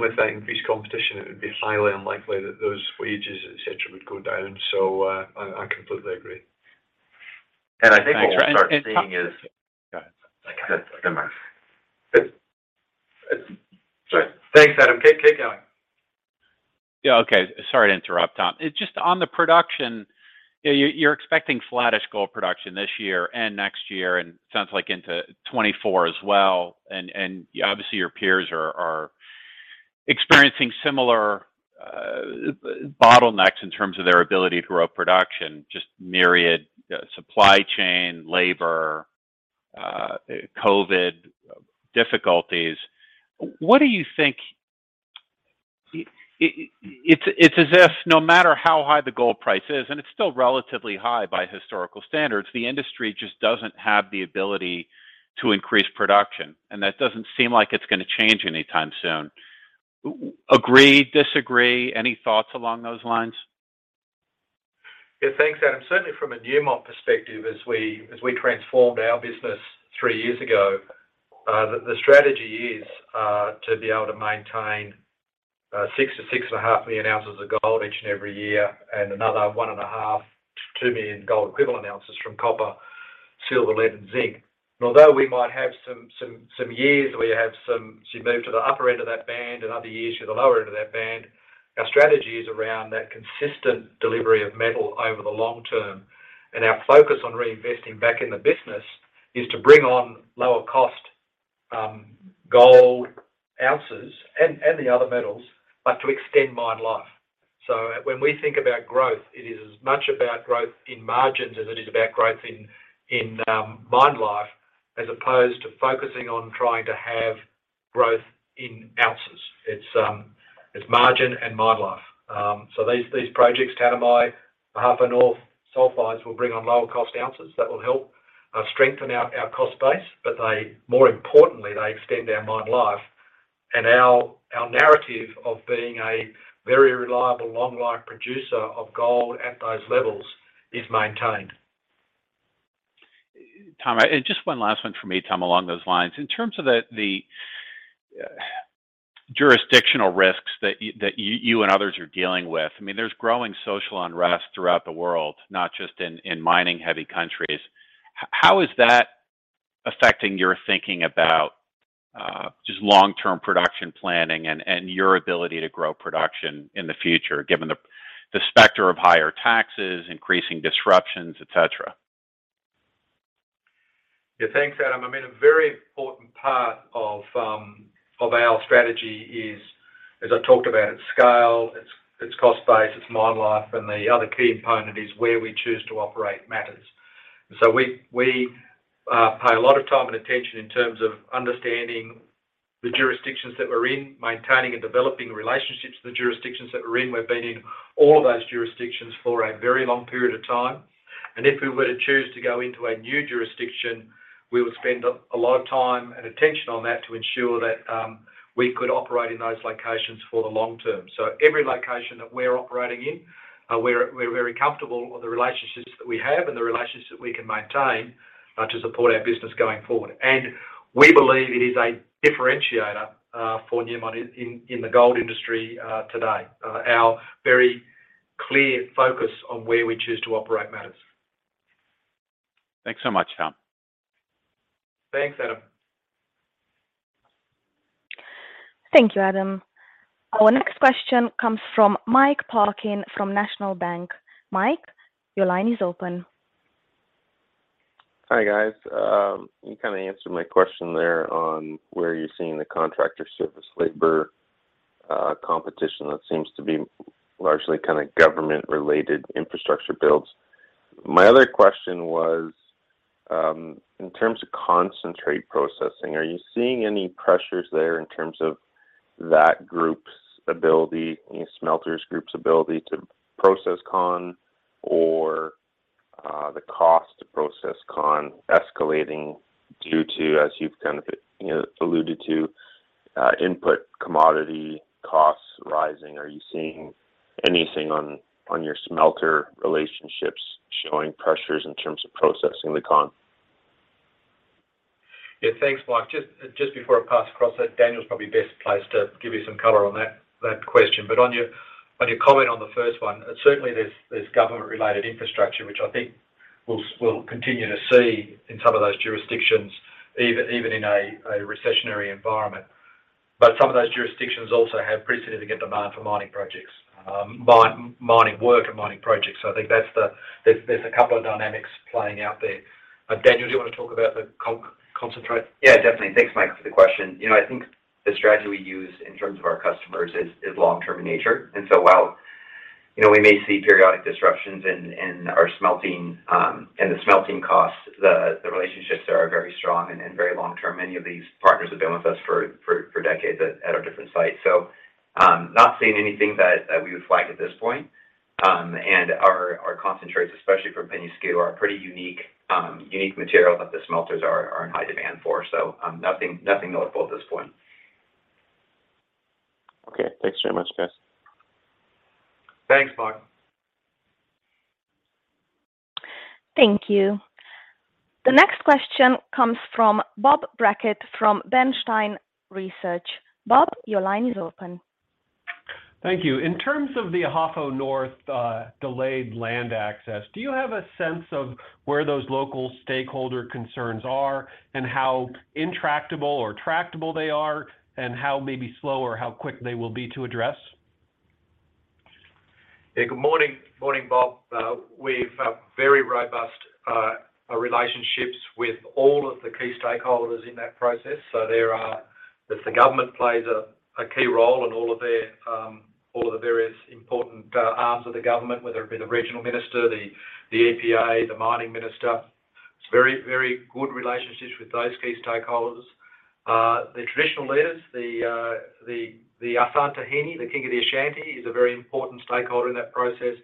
With that increased competition, it would be highly unlikely that those wages, et cetera, would go down. I completely agree. I think what we'll start seeing is. Thanks, Adam. Keep going. Yeah, okay. Sorry to interrupt, Tom. It's just on the production, you're expecting flattish gold production this year and next year, and sounds like into 2024 as well, and obviously, your peers are experiencing similar bottlenecks in terms of their ability to grow production, just myriad supply chain, labor, COVID difficulties. What do you think? It's as if no matter how high the gold price is, and it's still relatively high by historical standards, the industry just doesn't have the ability to increase production, and that doesn't seem like it's gonna change anytime soon. Agree, disagree? Any thoughts along those lines? Yeah. Thanks, Adam. Certainly from a Newmont perspective, as we transformed our business three years ago, the strategy is to be able to maintain 6-6.5 million ounces of gold each and every year, and another 1.5 million-2 million Gold Equivalent Ounces from copper, silver, lead, and zinc. Although we might have some years where you move to the upper end of that band and other years you're the lower end of that band, our strategy is around that consistent delivery of metal over the long term. Our focus on reinvesting back in the business is to bring on lower cost gold ounces and the other metals, but to extend mine life. When we think about growth, it is as much about growth in margins as it is about growth in mine life, as opposed to focusing on trying to have growth in ounces. It's margin and mine life. These projects, Tanami, Ahafo North, Sulfides will bring on lower cost ounces that will help strengthen our cost base, but they more importantly extend our mine life. Our narrative of being a very reliable long life producer of gold at those levels is maintained. Tom, just one last one from me, Tom, along those lines. In terms of the jurisdictional risks that you and others are dealing with, I mean, there's growing social unrest throughout the world, not just in mining-heavy countries. How is that affecting your thinking about just long-term production planning and your ability to grow production in the future, given the specter of higher taxes, increasing disruptions, et cetera? Yeah. Thanks, Adam. I mean, a very important part of our strategy is, as I talked about, it's scale, it's cost base, it's mine life, and the other key component is where we choose to operate matters. We pay a lot of time and attention in terms of understanding the jurisdictions that we're in, maintaining and developing relationships with the jurisdictions that we're in. We've been in all of those jurisdictions for a very long period of time. If we were to choose to go into a new jurisdiction, we would spend a lot of time and attention on that to ensure that we could operate in those locations for the long term. We're very comfortable with the relationships that we have and the relationships that we can maintain to support our business going forward. We believe it is a differentiator for Newmont in the gold industry today. Our very clear focus on where we choose to operate matters. Thanks so much, Tom. Thanks, Adam. Thank you, Adam. Our next question comes from Mike Parkin from National Bank Financial. Mike, your line is open. Hi, guys. You kinda answered my question there on where you're seeing the contractor service labor competition. That seems to be largely kinda government-related infrastructure builds. My other question was, in terms of concentrate processing, are you seeing any pressures there in terms of that group's ability, any smelters group's ability to process con or, the cost to process con escalating due to, as you've kind of, you know, alluded to, input commodity costs rising? Are you seeing anything on your smelter relationships showing pressures in terms of processing the con? Yeah, thanks, Mike. Just before I pass across, Daniel's probably best placed to give you some color on that question. On your comment on the first one, certainly there's government-related infrastructure, which I think we'll continue to see in some of those jurisdictions, even in a recessionary environment. Some of those jurisdictions also have pretty significant demand for mining projects, mining work and mining projects. I think that's the. There's a couple of dynamics playing out there. Daniel, do you wanna talk about the concentrate? Yeah, definitely. Thanks, Mike, for the question. You know, I think the strategy we use in terms of our customers is long-term in nature. While, you know, we may see periodic disruptions in our smelting, in the smelting costs, the relationships there are very strong and very long term. Many of these partners have been with us for decades at our different sites. Not seeing anything that we would flag at this point. And our concentrates, especially from Peñasquito, are pretty unique material that the smelters are in high demand for. Nothing notable at this point. Okay. Thanks very much, guys. Thanks, Mike. Thank you. The next question comes from Bob Brackett from Bernstein Research. Bob, your line is open. Thank you. In terms of the Ahafo North, delayed land access, do you have a sense of where those local stakeholder concerns are and how intractable or tractable they are and how maybe slow or how quick they will be to address? Yeah. Good morning, Bob. We've very robust relationships with all of the key stakeholders in that process. The government plays a key role and all of the various important arms of the government, whether it be the regional minister, the EPA, the mining minister. It's very good relationships with those key stakeholders. The traditional leaders, the Asantahene, the king of the Ashanti, is a very important stakeholder in that process.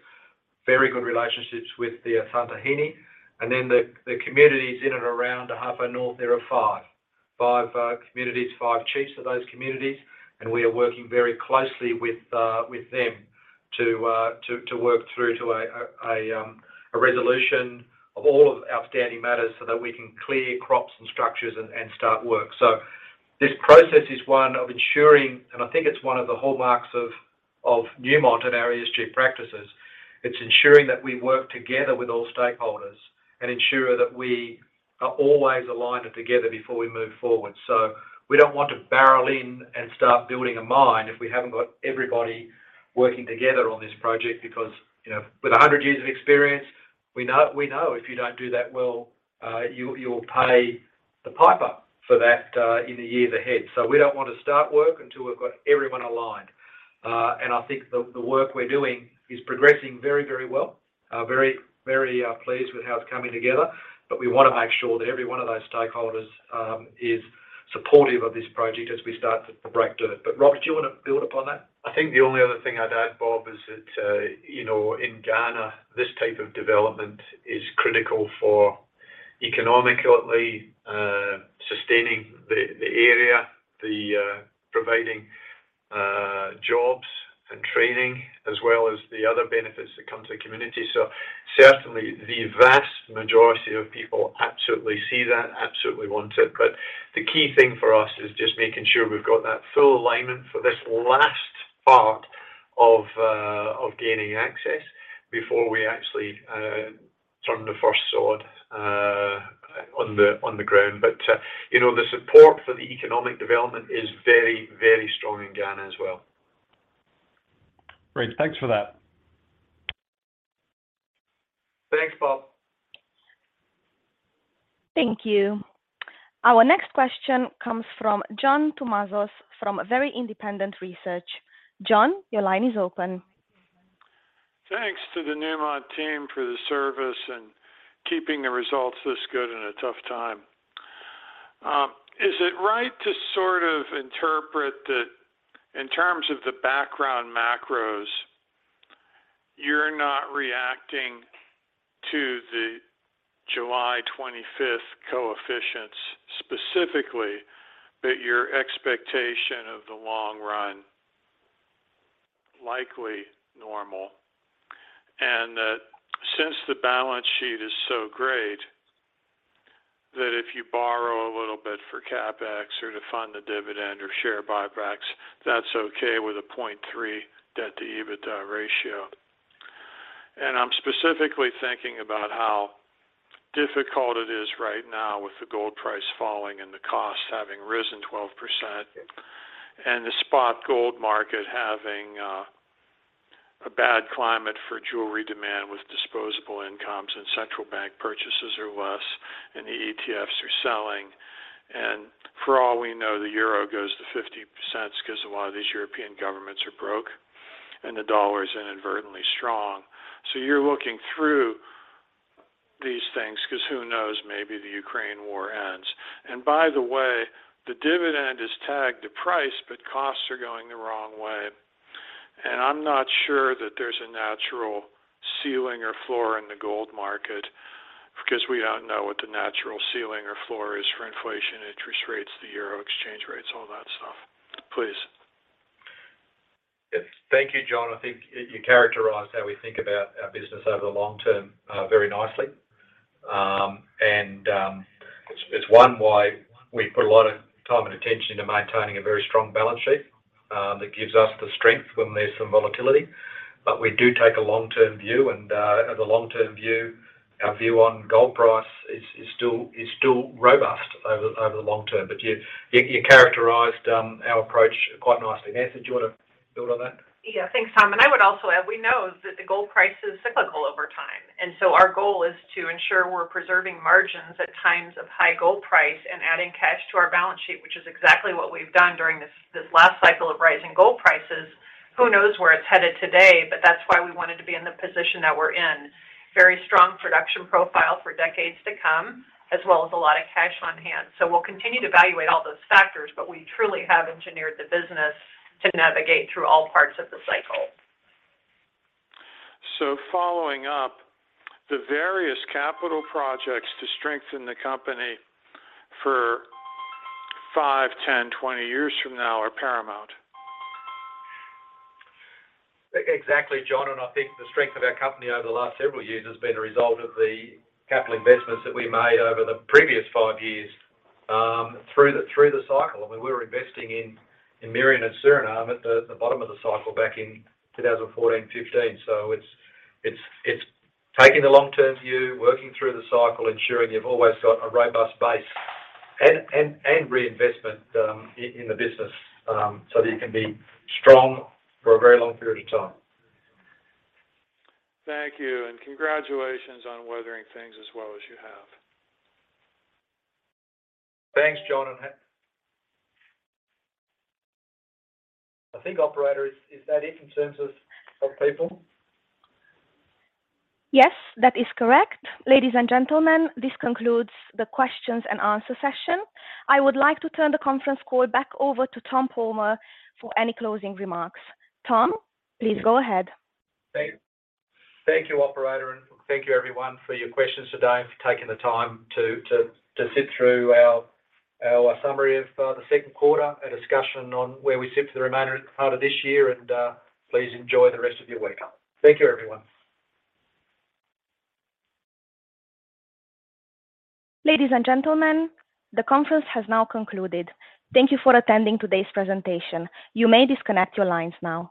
Very good relationships with the Asantahene. The communities in and around Ahafo North, there are five. five communities, five chiefs of those communities, and we are working very closely with them to work through to a resolution of all of outstanding matters so that we can clear crops and structures and start work. This process is one of ensuring, and I think it's one of the hallmarks of Newmont and our ESG practices. It's ensuring that we work together with all stakeholders and ensure that we are always aligned and together before we move forward. We don't want to barrel in and start building a mine if we haven't got everybody working together on this project because, you know, with 100 years of experience, we know if you don't do that well, you will pay the piper for that in the years ahead. We don't want to start work until we've got everyone aligned. I think the work we're doing is progressing very well. Very pleased with how it's coming together, but we wanna make sure that every one of those stakeholders is supportive of this project as we start to break ground. Robert, do you wanna build upon that? I think the only other thing I'd add, Bob, is that, you know, in Ghana, this type of development is critical for economically sustaining the area, providing jobs and training, as well as the other benefits that come to the community. Certainly the vast majority of people absolutely see that, absolutely want it. The key thing for us is just making sure we've got that full alignment for this last part of gaining access before we actually turn the first sod on the ground. You know, the support for the economic development is very, very strong in Ghana as well. Great. Thanks for that. Thanks, Bob. Thank you. Our next question comes from John Tumazos from Very Independent Research. John, your line is open. Thanks to the Newmont team for the service and keeping the results this good in a tough time. Is it right to sort of interpret that in terms of the background macros, you're not reacting to July 25th conditions specifically, but your expectation of the long run, likely normal. That since the balance sheet is so great, that if you borrow a little bit for CapEx or to fund the dividend or share buybacks, that's okay with a 0.3 debt to EBITDA ratio. I'm specifically thinking about how difficult it is right now with the gold price falling and the costs having risen 12%, and the spot gold market having a bad climate for jewelry demand with disposable incomes and central bank purchases are less, and the ETFs are selling. For all we know, the Euro goes to 50% because a lot of these European governments are broke and the dollar is inadvertently strong. You're looking through these things because who knows, maybe the Ukraine war ends. By the way, the dividend is tagged to price, but costs are going the wrong way. I'm not sure that there's a natural ceiling or floor in the gold market because we don't know what the natural ceiling or floor is for inflation, interest rates, the Euro exchange rates, all that stuff. Please. Yes. Thank you, John. I think you characterized how we think about our business over the long term very nicely. It's one reason why we put a lot of time and attention into maintaining a very strong balance sheet that gives us the strength when there's some volatility. But we do take a long-term view. The long-term view, our view on gold price is still robust over the long term. But you characterized our approach quite nicely. Nancy, do you want to build on that? Yeah. Thanks, Tom. I would also add, we know that the gold price is cyclical over time, and so our goal is to ensure we're preserving margins at times of high gold price and adding cash to our balance sheet, which is exactly what we've done during this last cycle of rising gold prices. Who knows where it's headed today, but that's why we wanted to be in the position that we're in. Very strong production profile for decades to come, as well as a lot of cash on hand. We'll continue to evaluate all those factors, but we truly have engineered the business to navigate through all parts of the cycle. Following up, the various capital projects to strengthen the company for five, 10, 20 years from now are paramount. Exactly, John. I think the strength of our company over the last several years has been a result of the capital investments that we made over the previous five years through the cycle. I mean, we were investing in Merian and Suriname at the bottom of the cycle back in 2014, 2015. It's taking the long-term view, working through the cycle, ensuring you've always got a robust base and reinvestment in the business so that you can be strong for a very long period of time. Thank you. Congratulations on weathering things as well as you have. Thanks, John, I think, operator, is that it in terms of people? Yes, that is correct. Ladies and gentlemen, this concludes the questions and answers session. I would like to turn the conference call back over to Tom Palmer for any closing remarks. Tom, please go ahead. Thank you, operator. Thank you everyone for your questions today and for taking the time to sit through our summary of the second quarter, a discussion on where we sit for the remainder of this year. Please enjoy the rest of your week. Thank you, everyone. Ladies and gentlemen, the conference has now concluded. Thank you for attending today's presentation. You may disconnect your lines now.